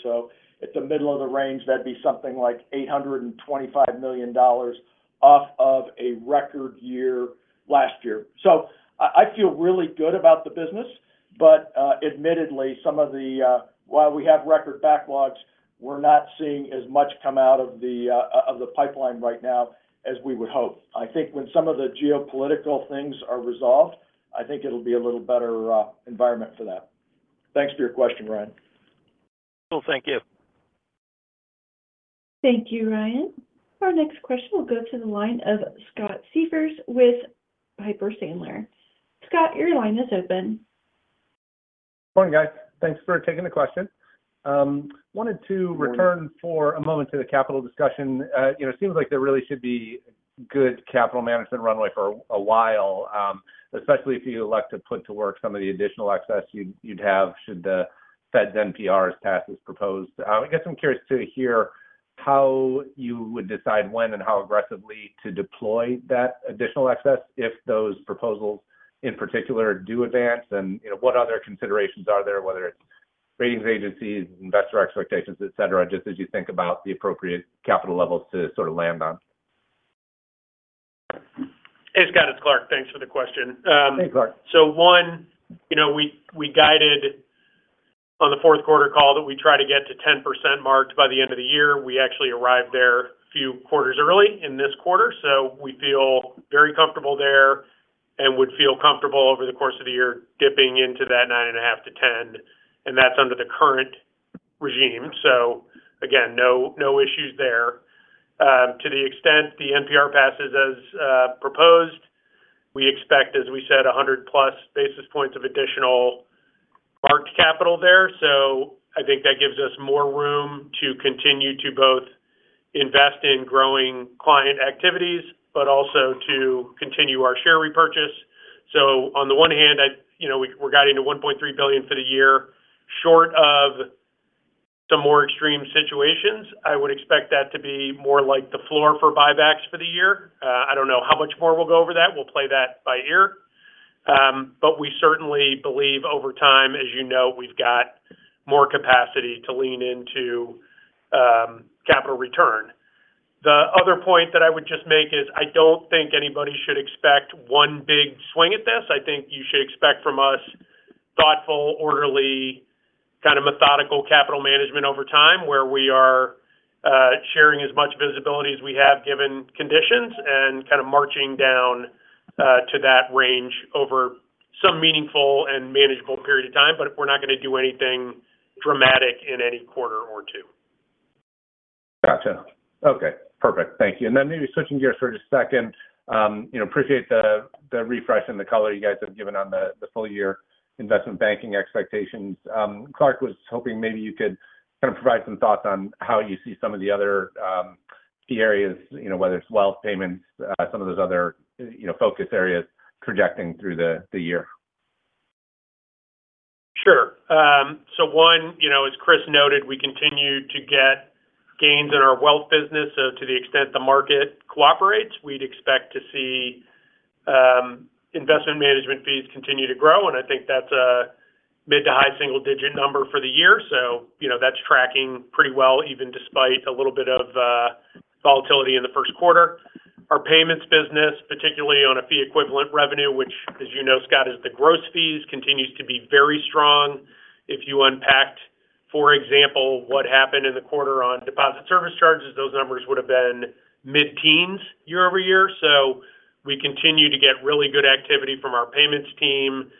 At the middle of the range, that'd be something like $825 million off of a record year last year. I feel really good about the business, but admittedly, while we have record backlogs, we're not seeing as much come out of the pipeline right now as we would hope. I think when some of the geopolitical things are resolved, I think it'll be a little better environment for that. Thanks for your question, Ryan. Cool. Thank you. Thank you, Ryan. Our next question will go to the line of Scott Siefers with Piper Sandler. Scott, your line is open. Morning, guys. Thanks for taking the question. Wanted to return for a moment to the capital discussion. It seems like there really should be good capital management runway for a while, especially if you elect to put to work some of the additional access you'd have should the Fed's NPRs pass as proposed. I guess I'm curious to hear how you would decide when and how aggressively to deploy that additional access if those proposals in particular do advance, and what other considerations are there, whether it's ratings agencies, investor expectations, et cetera, just as you think about the appropriate capital levels to sort of land on. Hey, Scott, it's Clark. Thanks for the question. Hey, Clark. One, we guided on the Q4 call that we try to get to 10% marks by the end of the year. We actually arrived there a few quarters early in this quarter, so we feel very comfortable there and would feel comfortable over the course of the year dipping into that 9.5%-10%, and that's under the current regime. Again, no issues there. To the extent the NPR passes as proposed, we expect, as we said, 100+ basis points of additional marked capital there. I think that gives us more room to continue to both invest in growing client activities, but also to continue our share repurchase. On the one hand, we're guiding to $1.3 billion for the year. Short of some more extreme situations, I would expect that to be more like the floor for buybacks for the year. I don't know how much more we'll go over that. We'll play that by ear. We certainly believe over time, as you know, we've got more capacity to lean into capital return. The other point that I would just make is I don't think anybody should expect one big swing at this. I think you should expect from us thoughtful, orderly, kind of methodical capital management over time, where we are sharing as much visibility as we have given conditions and kind of marching down to that range over some meaningful and manageable period of time. We're not going to do anything dramatic in any quarter or two. Gotcha. Okay, perfect. Thank you. Maybe switching gears for just a second. I appreciate the refresh and the color you guys have given on the full-year investment banking expectations. Clark, I was hoping maybe you could kind of provide some thoughts on how you see some of the other key areas, whether it's wealth, payments, some of those other focus areas projecting through the year. Sure. One, as Chris noted, we continue to get gains in our wealth business. To the extent the market cooperates, we'd expect to see investment management fees continue to grow, and I think that's a mid- to high-single-digit number for the year. That's tracking pretty well, even despite a little bit of volatility in the Q1. Our payments business, particularly on a fee equivalent revenue, which as you know Scott, is the gross fees, continues to be very strong. If you unpacked, for example, what happened in the quarter on deposit service charges, those numbers would've been mid-teens year-over-year. We continue to get really good activity from our payments team,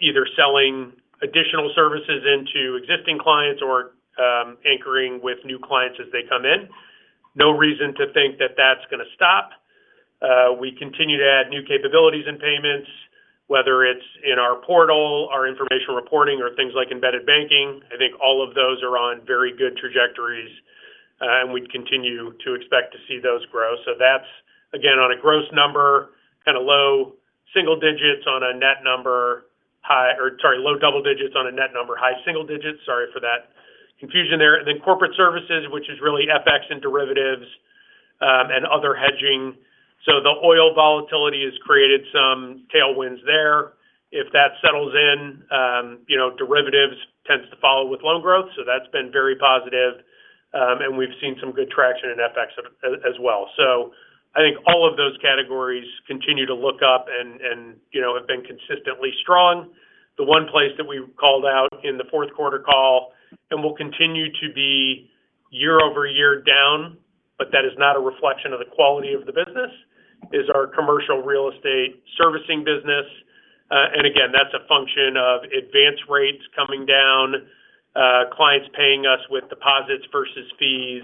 either selling additional services into existing clients or anchoring with new clients as they come in. No reason to think that that's going to stop. We continue to add new capabilities in payments, whether it's in our portal, our information reporting, or things like embedded banking. I think all of those are on very good trajectories, and we'd continue to expect to see those grow. That's again, on a gross number, kind of low single digits on a net number. Low double digits on a net number, high single digits. Sorry for that confusion there. Corporate services, which is really FX and derivatives. Other hedging. The oil volatility has created some tailwinds there. If that settles in, derivatives tends to follow with loan growth. That's been very positive. We've seen some good traction in FX as well. I think all of those categories continue to look up and have been consistently strong. The one place that we called out in the Q4 call and will continue to be year-over-year down, but that is not a reflection of the quality of the business, is our commercial real estate servicing business. Again, that's a function of advance rates coming down, clients paying us with deposits versus fees,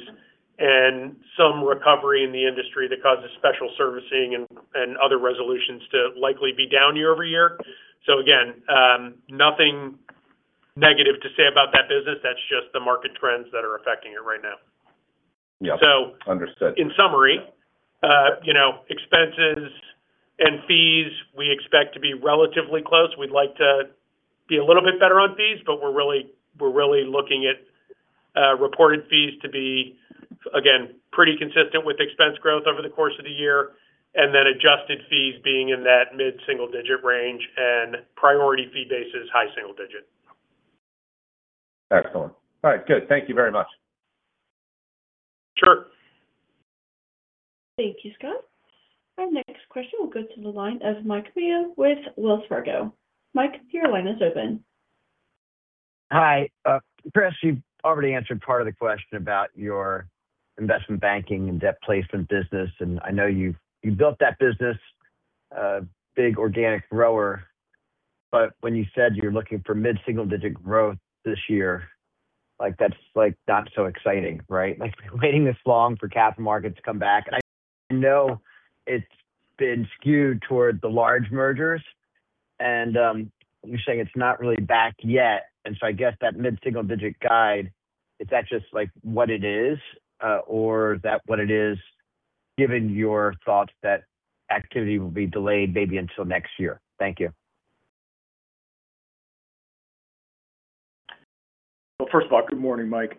and some recovery in the industry that causes special servicing and other resolutions to likely be down year-over-year. Again, nothing negative to say about that business. That's just the market trends that are affecting it right now. Yeah. Understood. In summary, expenses and fees we expect to be relatively close. We'd like to be a little bit better on fees, but we're really looking at reported fees to be, again, pretty consistent with expense growth over the course of the year, and then adjusted fees being in that mid-single-digit range and priority fee bases high single-digit. Excellent. All right, good. Thank you very much. Sure. Thank you, Scott. Our next question will go to the line of Mike Mayo with Wells Fargo. Mike, your line is open. Hi. Chris, you've already answered part of the question about your investment banking and debt placement business, and I know you've built that business, a big organic grower. When you said you're looking for mid-single digit growth this year, that's not so exciting, right? Like waiting this long for capital markets to come back. I know it's been skewed toward the large mergers, and you're saying it's not really back yet. I guess that mid-single digit guide, is that just what it is? Or is that what it is given your thoughts that activity will be delayed maybe until next year? Thank you. Well, first of all, good morning, Mike.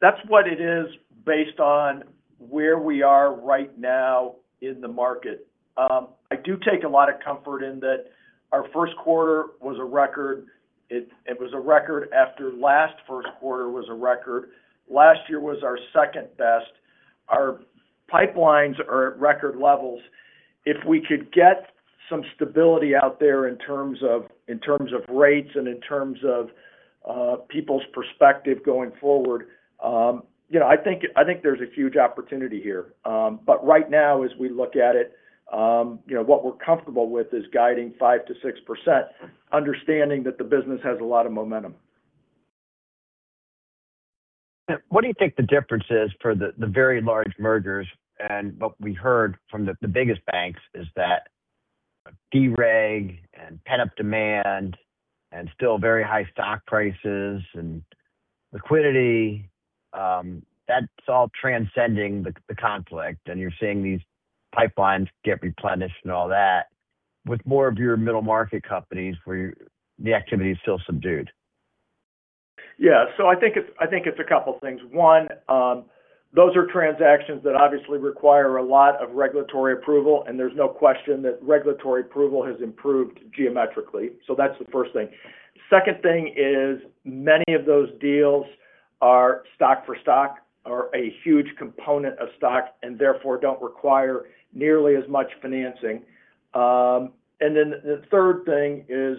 That's what it is based on where we are right now in the market. I do take a lot of comfort in that our Q1 was a record. It was a record after last Q1 was a record. Last year was our second best. Our pipelines are at record levels. If we could get some stability out there in terms of rates and in terms of people's perspective going forward, I think there's a huge opportunity here. Right now, as we look at it, what we're comfortable with is guiding 5%-6%, understanding that the business has a lot of momentum. What do you think the difference is for the very large mergers? What we heard from the biggest banks is that de-reg and pent-up demand and still very high stock prices and liquidity, that's all transcending the conflict, and you're seeing these pipelines get replenished and all that with more of your middle-market companies where the activity is still subdued. Yeah. I think it's a couple things. One, those are transactions that obviously require a lot of regulatory approval, and there's no question that regulatory approval has improved geometrically. That's the first thing. Second thing is many of those deals are stock for stock or a huge component of stock, and therefore don't require nearly as much financing. The third thing is,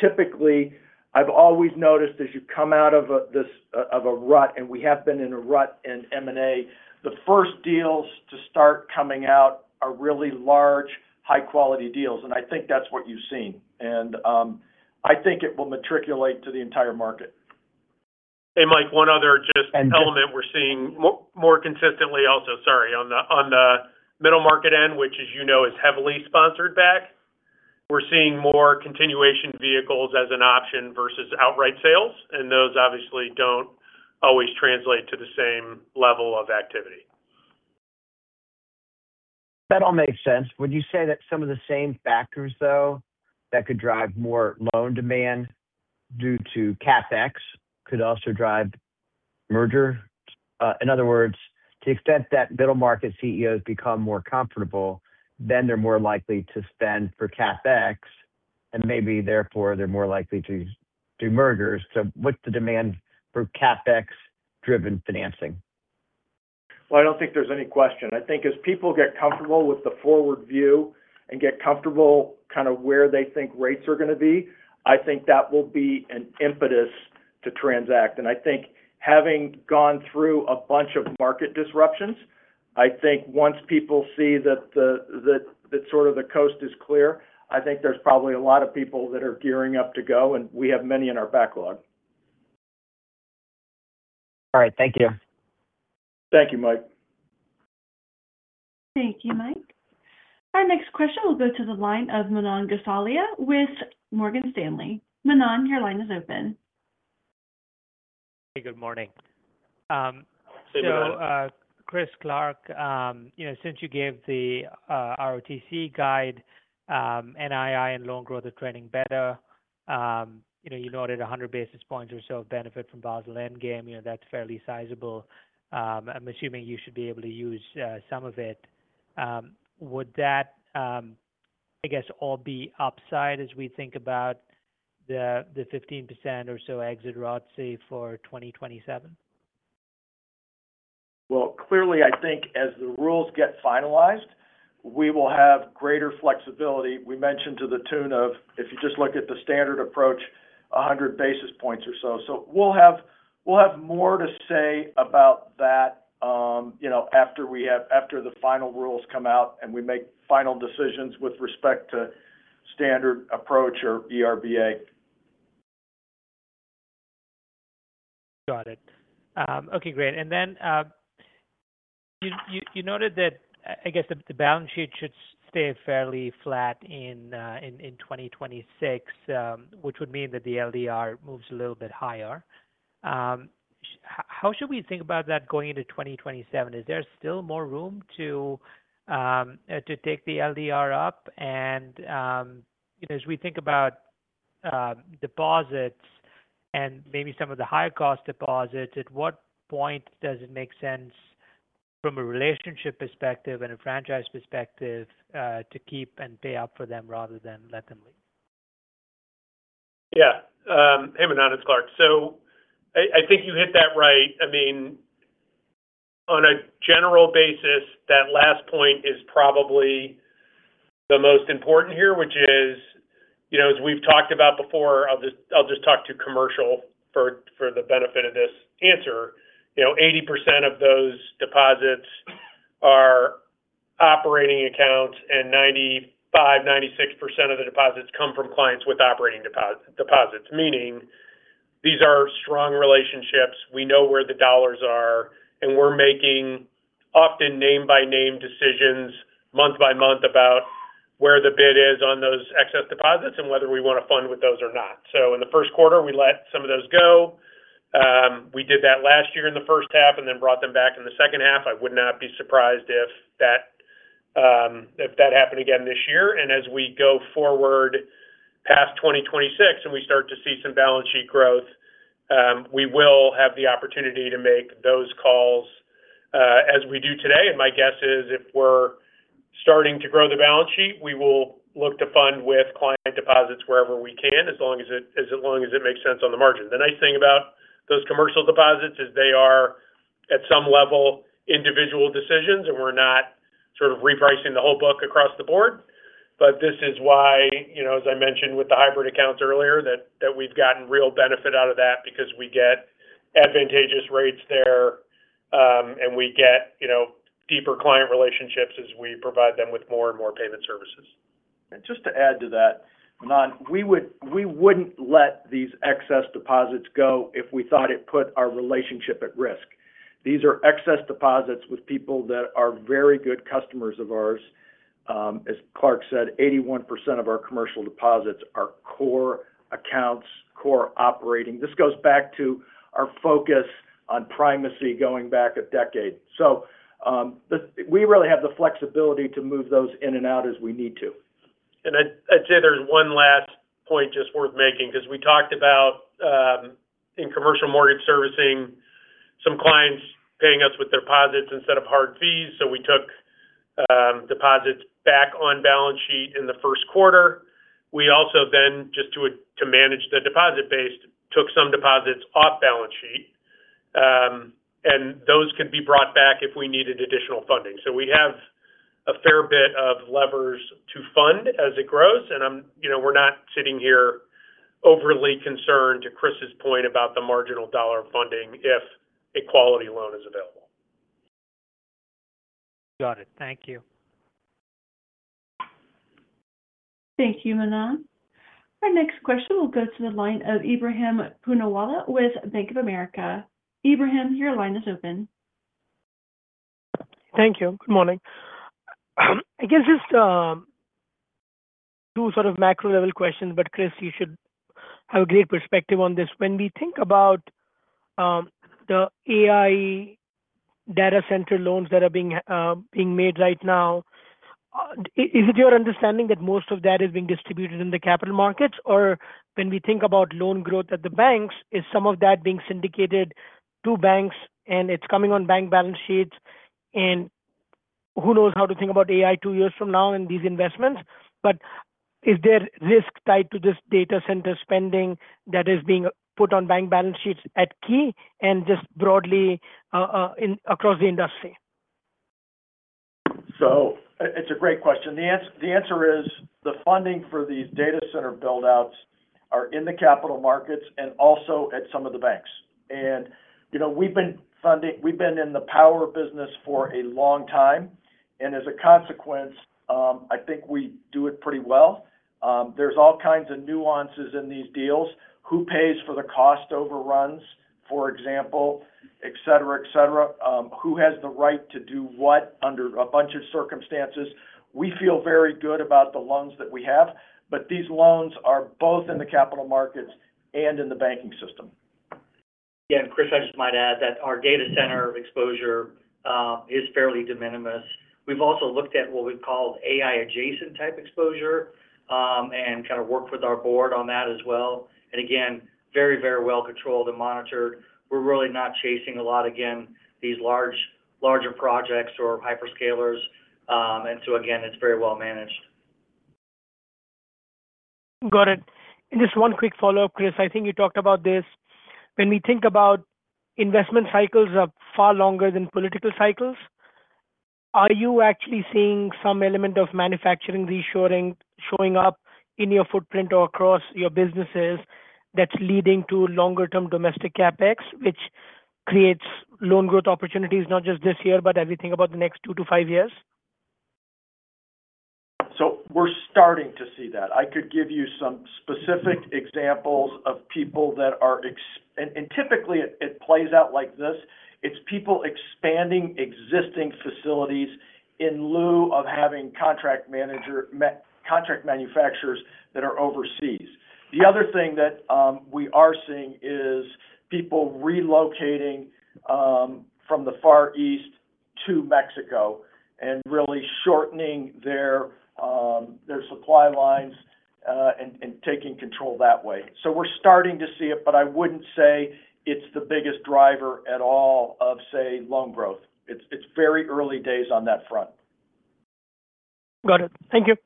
typically, I've always noticed as you come out of a rut, and we have been in a rut in M&A, the first deals to start coming out are really large, high-quality deals. I think that's what you've seen. I think it will percolate to the entire market. Mike, one other just element we're seeing more consistently also, sorry, on the middle market end, which as you know, is heavily sponsor-backed. We're seeing more continuation vehicles as an option versus outright sales, and those obviously don't always translate to the same level of activity. That all makes sense. Would you say that some of the same factors, though, that could drive more loan demand due to CapEx, could also drive merger? In other words, to the extent that middle market CEOs become more comfortable, then they're more likely to spend for CapEx, and maybe therefore they're more likely to do mergers. What's the demand for CapEx-driven financing? Well, I don't think there's any question. I think as people get comfortable with the forward view and get comfortable kind of where they think rates are going to be, I think that will be an impetus to transact. I think having gone through a bunch of market disruptions, I think once people see that sort of the coast is clear, I think there's probably a lot of people that are gearing up to go, and we have many in our backlog. All right. Thank you. Thank you, Mike. Thank you, Mike. Our next question will go to the line of Manan Gosalia with Morgan Stanley. Manan, your line is open. Hey, good morning. Good morning. Chris, Clark, since you gave the ROTCE guide, NII and loan growth are trending better. You noted 100 basis points or so of benefit from Basel endgame. That's fairly sizable. I'm assuming you should be able to use some of it. Would that, I guess, all be upside as we think about the 15% or so exit ROTCE for 2027? Well, clearly, I think as the rules get finalized, we will have greater flexibility. We mentioned to the tune of, if you just look at the standard approach, 100 basis points or so. We'll have more to say about that after the final rules come out and we make final decisions with respect to standard approach or ERBA. Got it. Okay, great. You noted that, I guess, the balance sheet should stay fairly flat in 2026, which would mean that the LDR moves a little bit higher. How should we think about that going into 2027? Is there still more room to take the LDR up? As we think about deposits and maybe some of the higher cost deposits, at what point does it make sense from a relationship perspective and a franchise perspective to keep and pay up for them rather than let them leave? Yeah. Hey, Manan, it's Clark. I think you hit that right. On a general basis, that last point is probably the most important here, which is, as we've talked about before, I'll just talk to commercial for the benefit of this answer. 80% of those deposits are operating accounts and 95%-96% of the deposits come from clients with operating deposits. Meaning these are strong relationships. We know where the dollars are, and we're making often name-by-name decisions month-by-month about where the bid is on those excess deposits and whether we want to fund with those or not. In the Q1, we let some of those go. We did that last year in the first half and then brought them back in the second half. I would not be surprised if that happened again this year. As we go forward past 2026 and we start to see some balance sheet growth, we will have the opportunity to make those calls as we do today. My guess is if we're starting to grow the balance sheet, we will look to fund with client deposits wherever we can, as long as it makes sense on the margin. The nice thing about those commercial deposits is they are at some level individual decisions, and we're not sort of repricing the whole book across the board. This is why, as I mentioned with the hybrid accounts earlier, that we've gotten real benefit out of that because we get advantageous rates there. We get deeper client relationships as we provide them with more and more payment services. Just to add to that, Manan, we wouldn't let these excess deposits go if we thought it put our relationship at risk. These are excess deposits with people that are very good customers of ours. As Clark said, 81% of our commercial deposits are core accounts, core operating. This goes back to our focus on primacy going back a decade. We really have the flexibility to move those in and out as we need to. I'd say there's one last point just worth making because we talked about in commercial mortgage servicing, some clients paying us with deposits instead of hard fees. We took deposits back on balance sheet in the Q1. We also then, just to manage the deposit base, took some deposits off balance sheet. Those could be brought back if we needed additional funding. We have a fair bit of levers to fund as it grows. We're not sitting here overly concerned to Chris's point about the marginal dollar funding if a quality loan is available. Got it. Thank you. Thank you, Manan. Our next question will go to the line of Ebrahim Poonawala with Bank of America. Ebrahim, your line is open. Thank you. Good morning. I guess just two sort of macro level questions, but Chris, you should have a great perspective on this. When we think about the AI data center loans that are being made right now, is it your understanding that most of that is being distributed in the capital markets? Or when we think about loan growth at the banks, is some of that being syndicated to banks and it's coming on bank balance sheets? And who knows how to think about AI two years from now in these investments. Is there risk tied to this data center spending that is being put on bank balance sheets at Key and just broadly across the industry? It's a great question. The answer is the funding for these data center build-outs are in the capital markets and also at some of the banks. We've been in the power business for a long time, and as a consequence, I think we do it pretty well. There's all kinds of nuances in these deals. Who pays for the cost overruns, for example, et cetera? Who has the right to do what under a bunch of circumstances? We feel very good about the loans that we have, but these loans are both in the capital markets and in the banking system. Again, Chris, I just might add that our data center exposure is fairly de minimis. We've also looked at what we've called AI adjacent type exposure. Kind of worked with our board on that as well. Again, very well controlled and monitored. We're really not chasing a lot, again, these larger projects or hyperscalers. Again, it's very well managed. Got it. Just one quick follow-up, Chris. I think you talked about this. When we think about investment cycles are far longer than political cycles, are you actually seeing some element of manufacturing reshoring showing up in your footprint or across your businesses that's leading to longer term domestic CapEx, which creates loan growth opportunities not just this year, but as we think about the next two to five years? We're starting to see that. I could give you some specific examples of people that are, and typically it plays out like this. It's people expanding existing facilities in lieu of having contract manufacturers that are overseas. The other thing that we are seeing is people relocating from the Far East to Mexico and really shortening their supply lines, and taking control that way. We're starting to see it, but I wouldn't say it's the biggest driver at all of, say, loan growth. It's very early days on that front. Got it. Thank you.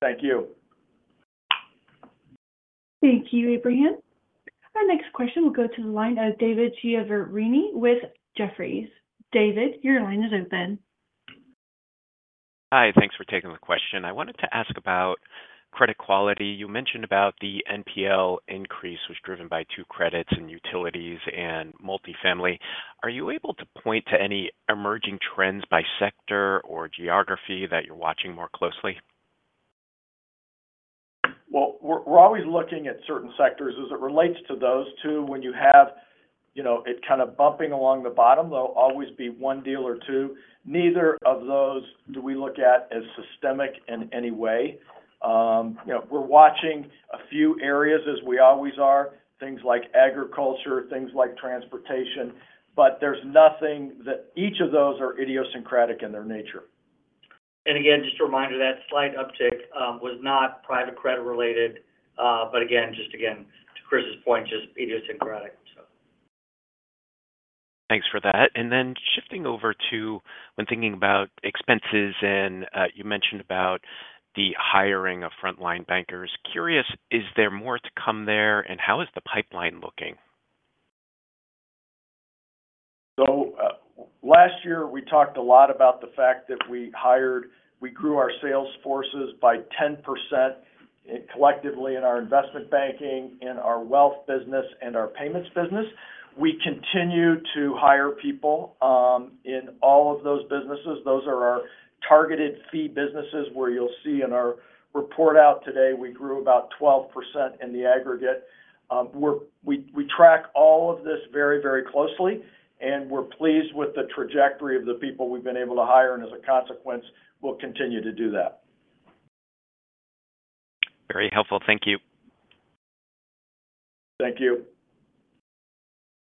Thank you. Thank you, Ebrahim. Our next question will go to the line of David Chiaverini with Jefferies. David, your line is open. Hi. Thanks for taking the question. I wanted to ask about credit quality. You mentioned about the NPL increase was driven by two credits in utilities and multifamily. Are you able to point to any emerging trends by sector or geography that you're watching more closely? Well, we're always looking at certain sectors as it relates to those two when you have it kind of bumping along the bottom, there'll always be one deal or two. Neither of those do we look at as systemic in any way. We're watching a few areas as we always are, things like agriculture, things like transportation, but there's nothing that each of those are idiosyncratic in their nature. Again, just a reminder, that slight uptick was not private credit related, but again, just to Chris's point, just idiosyncratic. Thanks for that. Shifting over to when thinking about expenses and you mentioned about the hiring of frontline bankers. Curious, is there more to come there, and how is the pipeline looking? Last year we talked a lot about the fact that we hired. We grew our sales forces by 10% collectively in our investment banking and our wealth business and our payments business. We continue to hire people in all of those businesses. Those are our targeted fee businesses where you'll see in our report out today, we grew about 12% in the aggregate. We track all of this very closely, and we're pleased with the trajectory of the people we've been able to hire, and as a consequence, we'll continue to do that. Very helpful. Thank you. Thank you.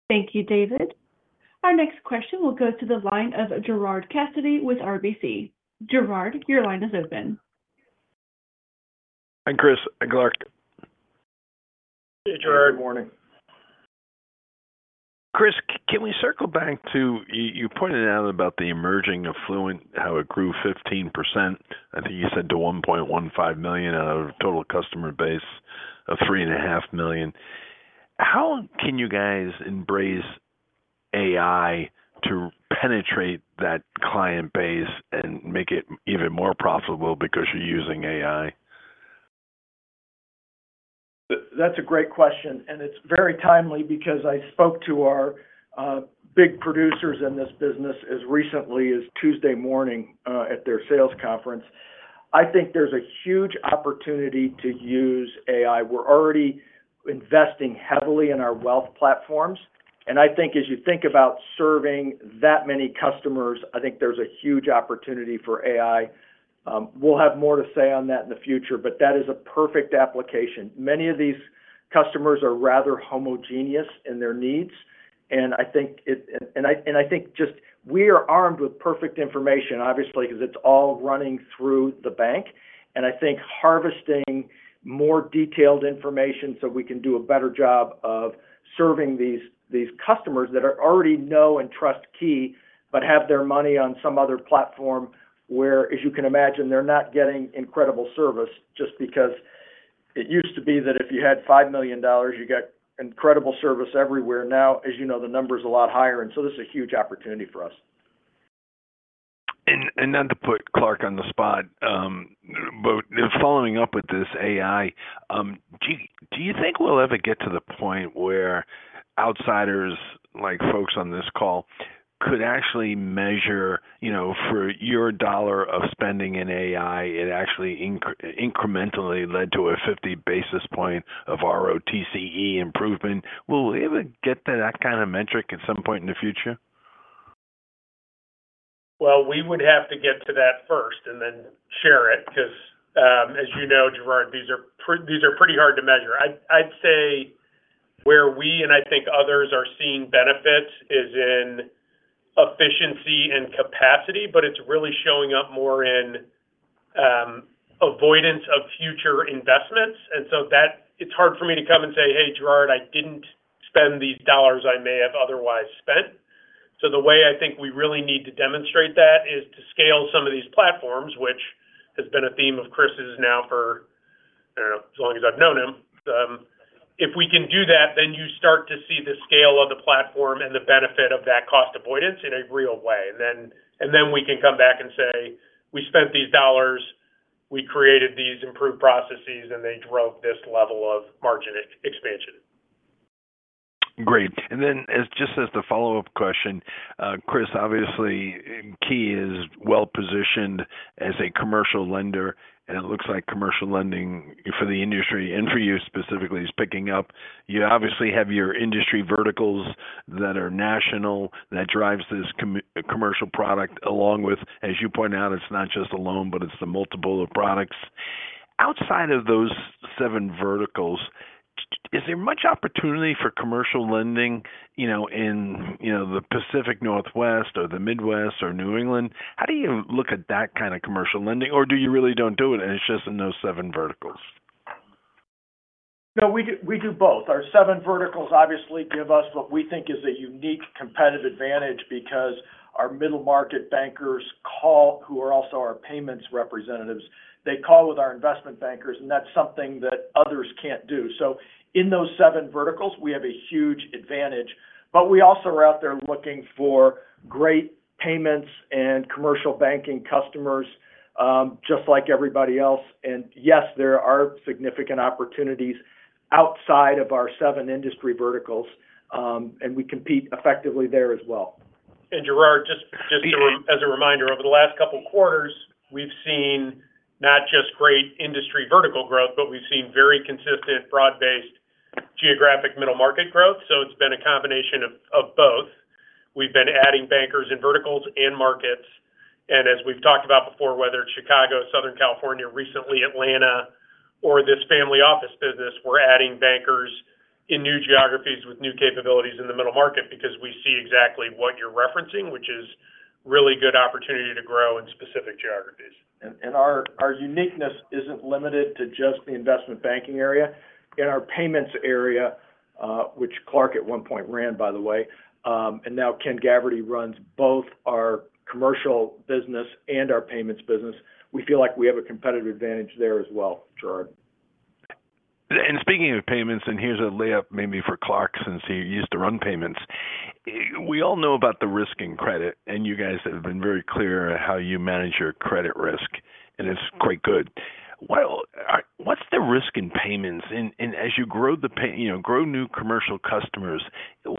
Thank you, David. Our next question will go to the line of Gerard Cassidy with RBC. Gerard, your line is open. Hi, Chris. Hi, Clark. Hey, Gerard. Good morning. Chris, can we circle back to what you pointed out about the mass affluent, how it grew 15%, I think you said, to 1.15 million out of a total customer base of 3.5 million. How can you guys embrace AI to penetrate that client base and make it even more profitable because you're using AI? That's a great question, and it's very timely because I spoke to our big producers in this business as recently as Tuesday morning at their sales conference. I think there's a huge opportunity to use AI. We're already investing heavily in our wealth platforms. I think as you think about serving that many customers, I think there's a huge opportunity for AI. We'll have more to say on that in the future, but that is a perfect application. Many of these customers are rather homogeneous in their needs, and I think just we are armed with perfect information, obviously, because it's all running through the bank. I think harvesting more detailed information so we can do a better job of serving these customers that already know and trust Key, but have their money on some other platform where, as you can imagine, they're not getting incredible service just because it used to be that if you had $5 million, you got incredible service everywhere. Now, as you know, the number's a lot higher, and so this is a huge opportunity for us. To put Clark on the spot, but following up with this AI, do you think we'll ever get to the point where outsiders, like folks on this call could actually measure for your dollar of spending in AI, it actually incrementally led to a 50 basis point of ROTCE improvement? Will we ever get to that kind of metric at some point in the future? Well, we would have to get to that first and then share it because as you know, Gerard, these are pretty hard to measure. I'd say where we and I think others are seeing benefits is in Capacity, but it's really showing up more in avoidance of future investments. It's hard for me to come and say, "Hey, Gerard, I didn't spend these dollars I may have otherwise spent." The way I think we really need to demonstrate that is to scale some of these platforms, which has been a theme of Chris's now for, I don't know, as long as I've known him. If we can do that, then you start to see the scale of the platform and the benefit of that cost avoidance in a real way. We can come back and say, "We spent these dollars, we created these improved processes, and they drove this level of margin expansion. Great. Just as the follow-up question, Chris, obviously Key is well-positioned as a commercial lender, and it looks like commercial lending for the industry and for you specifically is picking up. You obviously have your industry verticals that are national, that drives this commercial product along with, as you point out, it's not just a loan, but it's the multiple of products. Outside of those seven verticals, is there much opportunity for commercial lending in the Pacific Northwest or the Midwest or New England? How do you look at that kind of commercial lending, or do you really don't do it, and it's just in those seven verticals? No, we do both. Our seven verticals obviously give us what we think is a unique competitive advantage because our middle-market bankers, who are also our payments representatives, they call with our investment bankers, and that's something that others can't do. In those seven verticals, we have a huge advantage. We also are out there looking for great payments and commercial banking customers, just like everybody else. Yes, there are significant opportunities outside of our seven industry verticals, and we compete effectively there as well. Gerard, just as a reminder, over the last couple quarters, we've seen not just great industry vertical growth, but we've seen very consistent, broad-based geographic middle market growth. It's been a combination of both. We've been adding bankers in verticals and markets. As we've talked about before, whether it's Chicago, Southern California, recently Atlanta or this family office business, we're adding bankers in new geographies with new capabilities in the middle market because we see exactly what you're referencing, which is really good opportunity to grow in specific geographies. Our uniqueness isn't limited to just the investment banking area. In our payments area, which Clark at one point ran, by the way, and now Ken Gavrity runs both our commercial business and our payments business. We feel like we have a competitive advantage there as well, Gerard. Speaking of payments, here's a layup maybe for Clark since he used to run payments. We all know about the risk in credit, and you guys have been very clear how you manage your credit risk, and it's quite good. What's the risk in payments? As you grow new commercial customers, is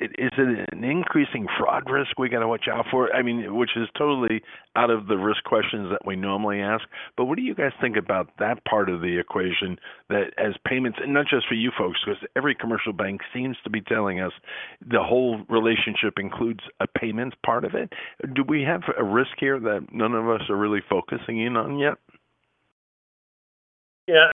it an increasing fraud risk we got to watch out for? Which is totally out of the risk questions that we normally ask. What do you guys think about that part of the equation that as payments, and not just for you folks, because every commercial bank seems to be telling us the whole relationship includes a payments part of it. Do we have a risk here that none of us are really focusing in on yet? Yeah.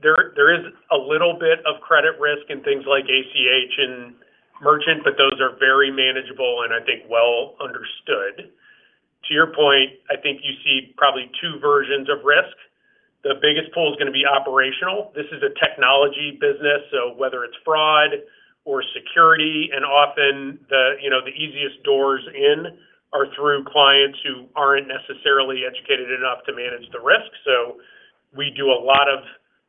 There is a little bit of credit risk in things like ACH and merchant, but those are very manageable and I think well understood. To your point, I think you see probably two versions of risk. The biggest pull is going to be operational. This is a technology business, so whether it's fraud or security, and often the easiest doors in are through clients who aren't necessarily educated enough to manage the risk. We do a lot of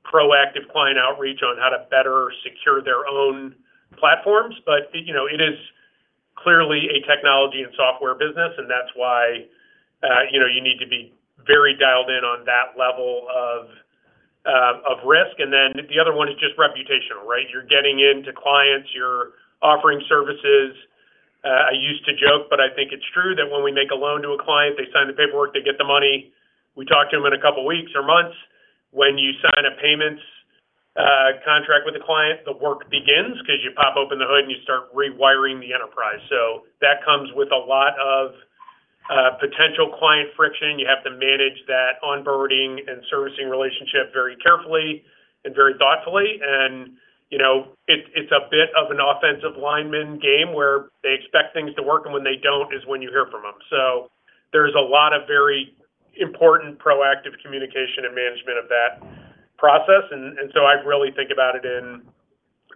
proactive client outreach on how to better secure their own platforms. But it is clearly a technology and software business, and that's why you need to be very dialed in on that level of risk. Then the other one is just reputational, right? You're getting into clients, you're offering services. I used to joke, but I think it's true, that when we make a loan to a client, they sign the paperwork, they get the money. We talk to them in a couple of weeks or months. When you sign a payments contract with a client, the work begins because you pop open the hood and you start rewiring the enterprise. That comes with a lot of potential client friction. You have to manage that onboarding and servicing relationship very carefully and very thoughtfully. It's a bit of an offensive lineman game where they expect things to work, and when they don't is when you hear from them. There's a lot of very important proactive communication and management of that process. I really think about it in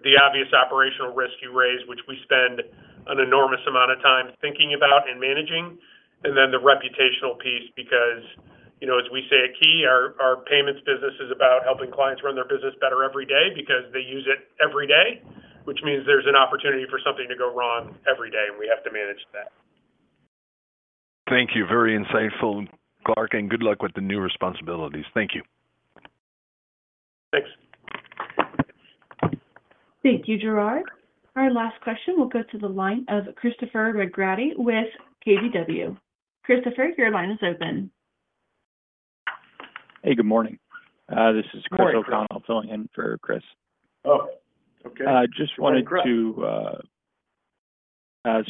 the obvious operational risk you raise, which we spend an enormous amount of time thinking about and managing, and then the reputational piece, because, as we say at Key, our payments business is about helping clients run their business better every day because they use it every day, which means there's an opportunity for something to go wrong every day, and we have to manage that. Thank you. Very insightful, Clark, and good luck with the new responsibilities. Thank you. Thanks. Thank you, Gerard. Our last question will go to the line of Christopher McGratty with KBW. Christopher, your line is open. Hey, good morning. This is Christopher O'Connell filling in for Chris. Oh, okay. I just wanted to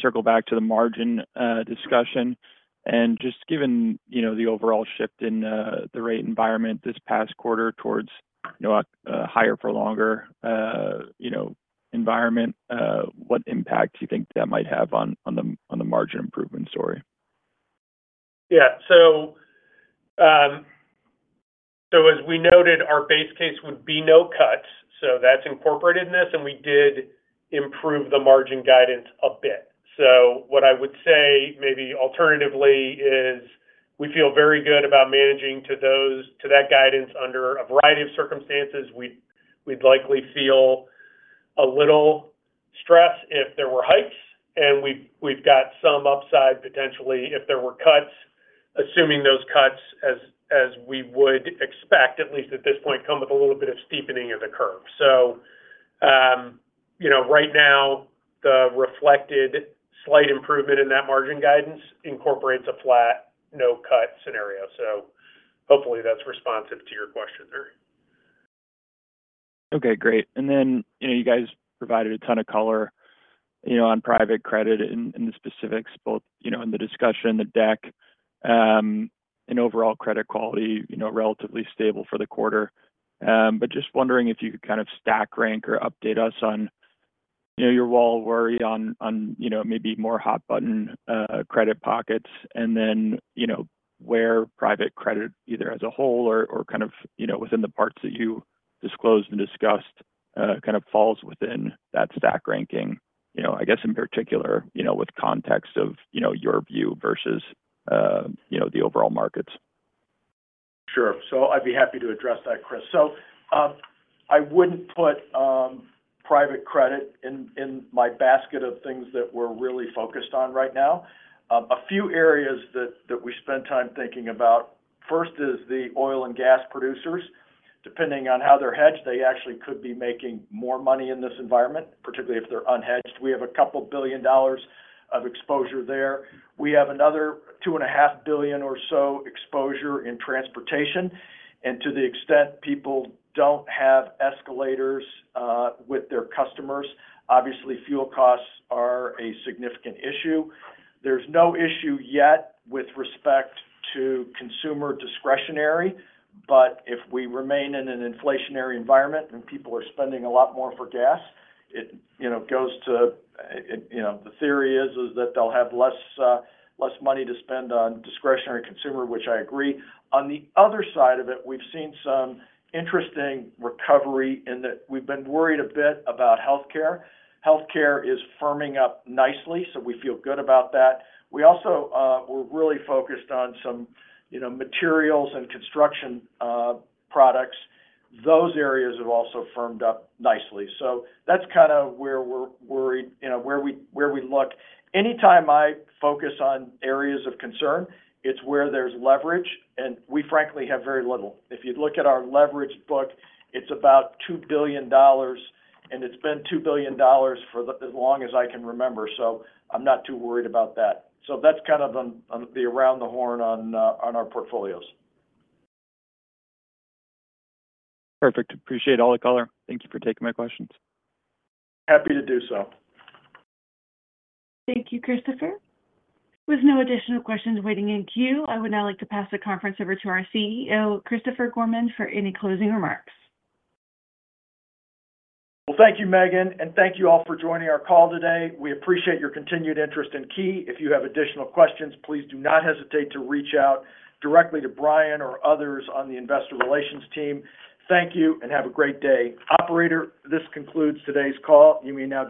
circle back to the margin discussion. Just given the overall shift in the rate environment this past quarter towards higher for longer environment, what impact do you think that might have on the margin improvement story? Yeah. As we noted, our base case would be no cuts. That's incorporated in this, and we did improve the margin guidance a bit. What I would say, maybe alternatively, is we feel very good about managing to that guidance under a variety of circumstances. We'd likely feel a little stress if there were hikes, and we've got some upside potentially if there were cuts, assuming those cuts as we would expect, at least at this point, come with a little bit of steepening of the curve. Right now the reflected slight improvement in that margin guidance incorporates a flat no cut scenario. Hopefully that's responsive to your question. Okay, great. Then you guys provided a ton of color on private credit in the specifics, both in the discussion, the deck, and overall credit quality relatively stable for the quarter. Just wondering if you could kind of stack rank or update us on your overall worry on maybe more hot button credit pockets and then where private credit either as a whole or kind of within the parts that you disclosed and discussed kind of falls within that stack ranking. I guess in particular with context of your view versus the overall markets. Sure. I'd be happy to address that, Chris. I wouldn't put private credit in my basket of things that we're really focused on right now. A few areas that we spend time thinking about, first is the oil and gas producers. Depending on how they're hedged, they actually could be making more money in this environment, particularly if they're unhedged. We have $2 billion of exposure there. We have another $2.5 billion or so exposure in transportation. To the extent people don't have escalators with their customers, obviously fuel costs are a significant issue. There's no issue yet with respect to consumer discretionary, but if we remain in an inflationary environment and people are spending a lot more for gas, the theory is that they'll have less money to spend on discretionary consumer, which I agree. On the other side of it, we've seen some interesting recovery in that we've been worried a bit about healthcare. Healthcare is firming up nicely, so we feel good about that. We also were really focused on some materials and construction products. Those areas have also firmed up nicely. That's kind of where we look. Anytime I focus on areas of concern, it's where there's leverage, and we frankly have very little. If you look at our leverage book, it's about $2 billion, and it's been $2 billion for as long as I can remember, so I'm not too worried about that. That's kind of the around the horn on our portfolios. Perfect. Appreciate all the color. Thank you for taking my questions. Happy to do so. Thank you, Christopher. With no additional questions waiting in queue, I would now like to pass the conference over to our CEO, Christopher Gorman, for any closing remarks. Well, thank you, Megan, and thank you all for joining our call today. We appreciate your continued interest in Key. If you have additional questions, please do not hesitate to reach out directly to Brian or others on the investor relations team. Thank you and have a great day. Operator, this concludes today's call. You may now disconnect.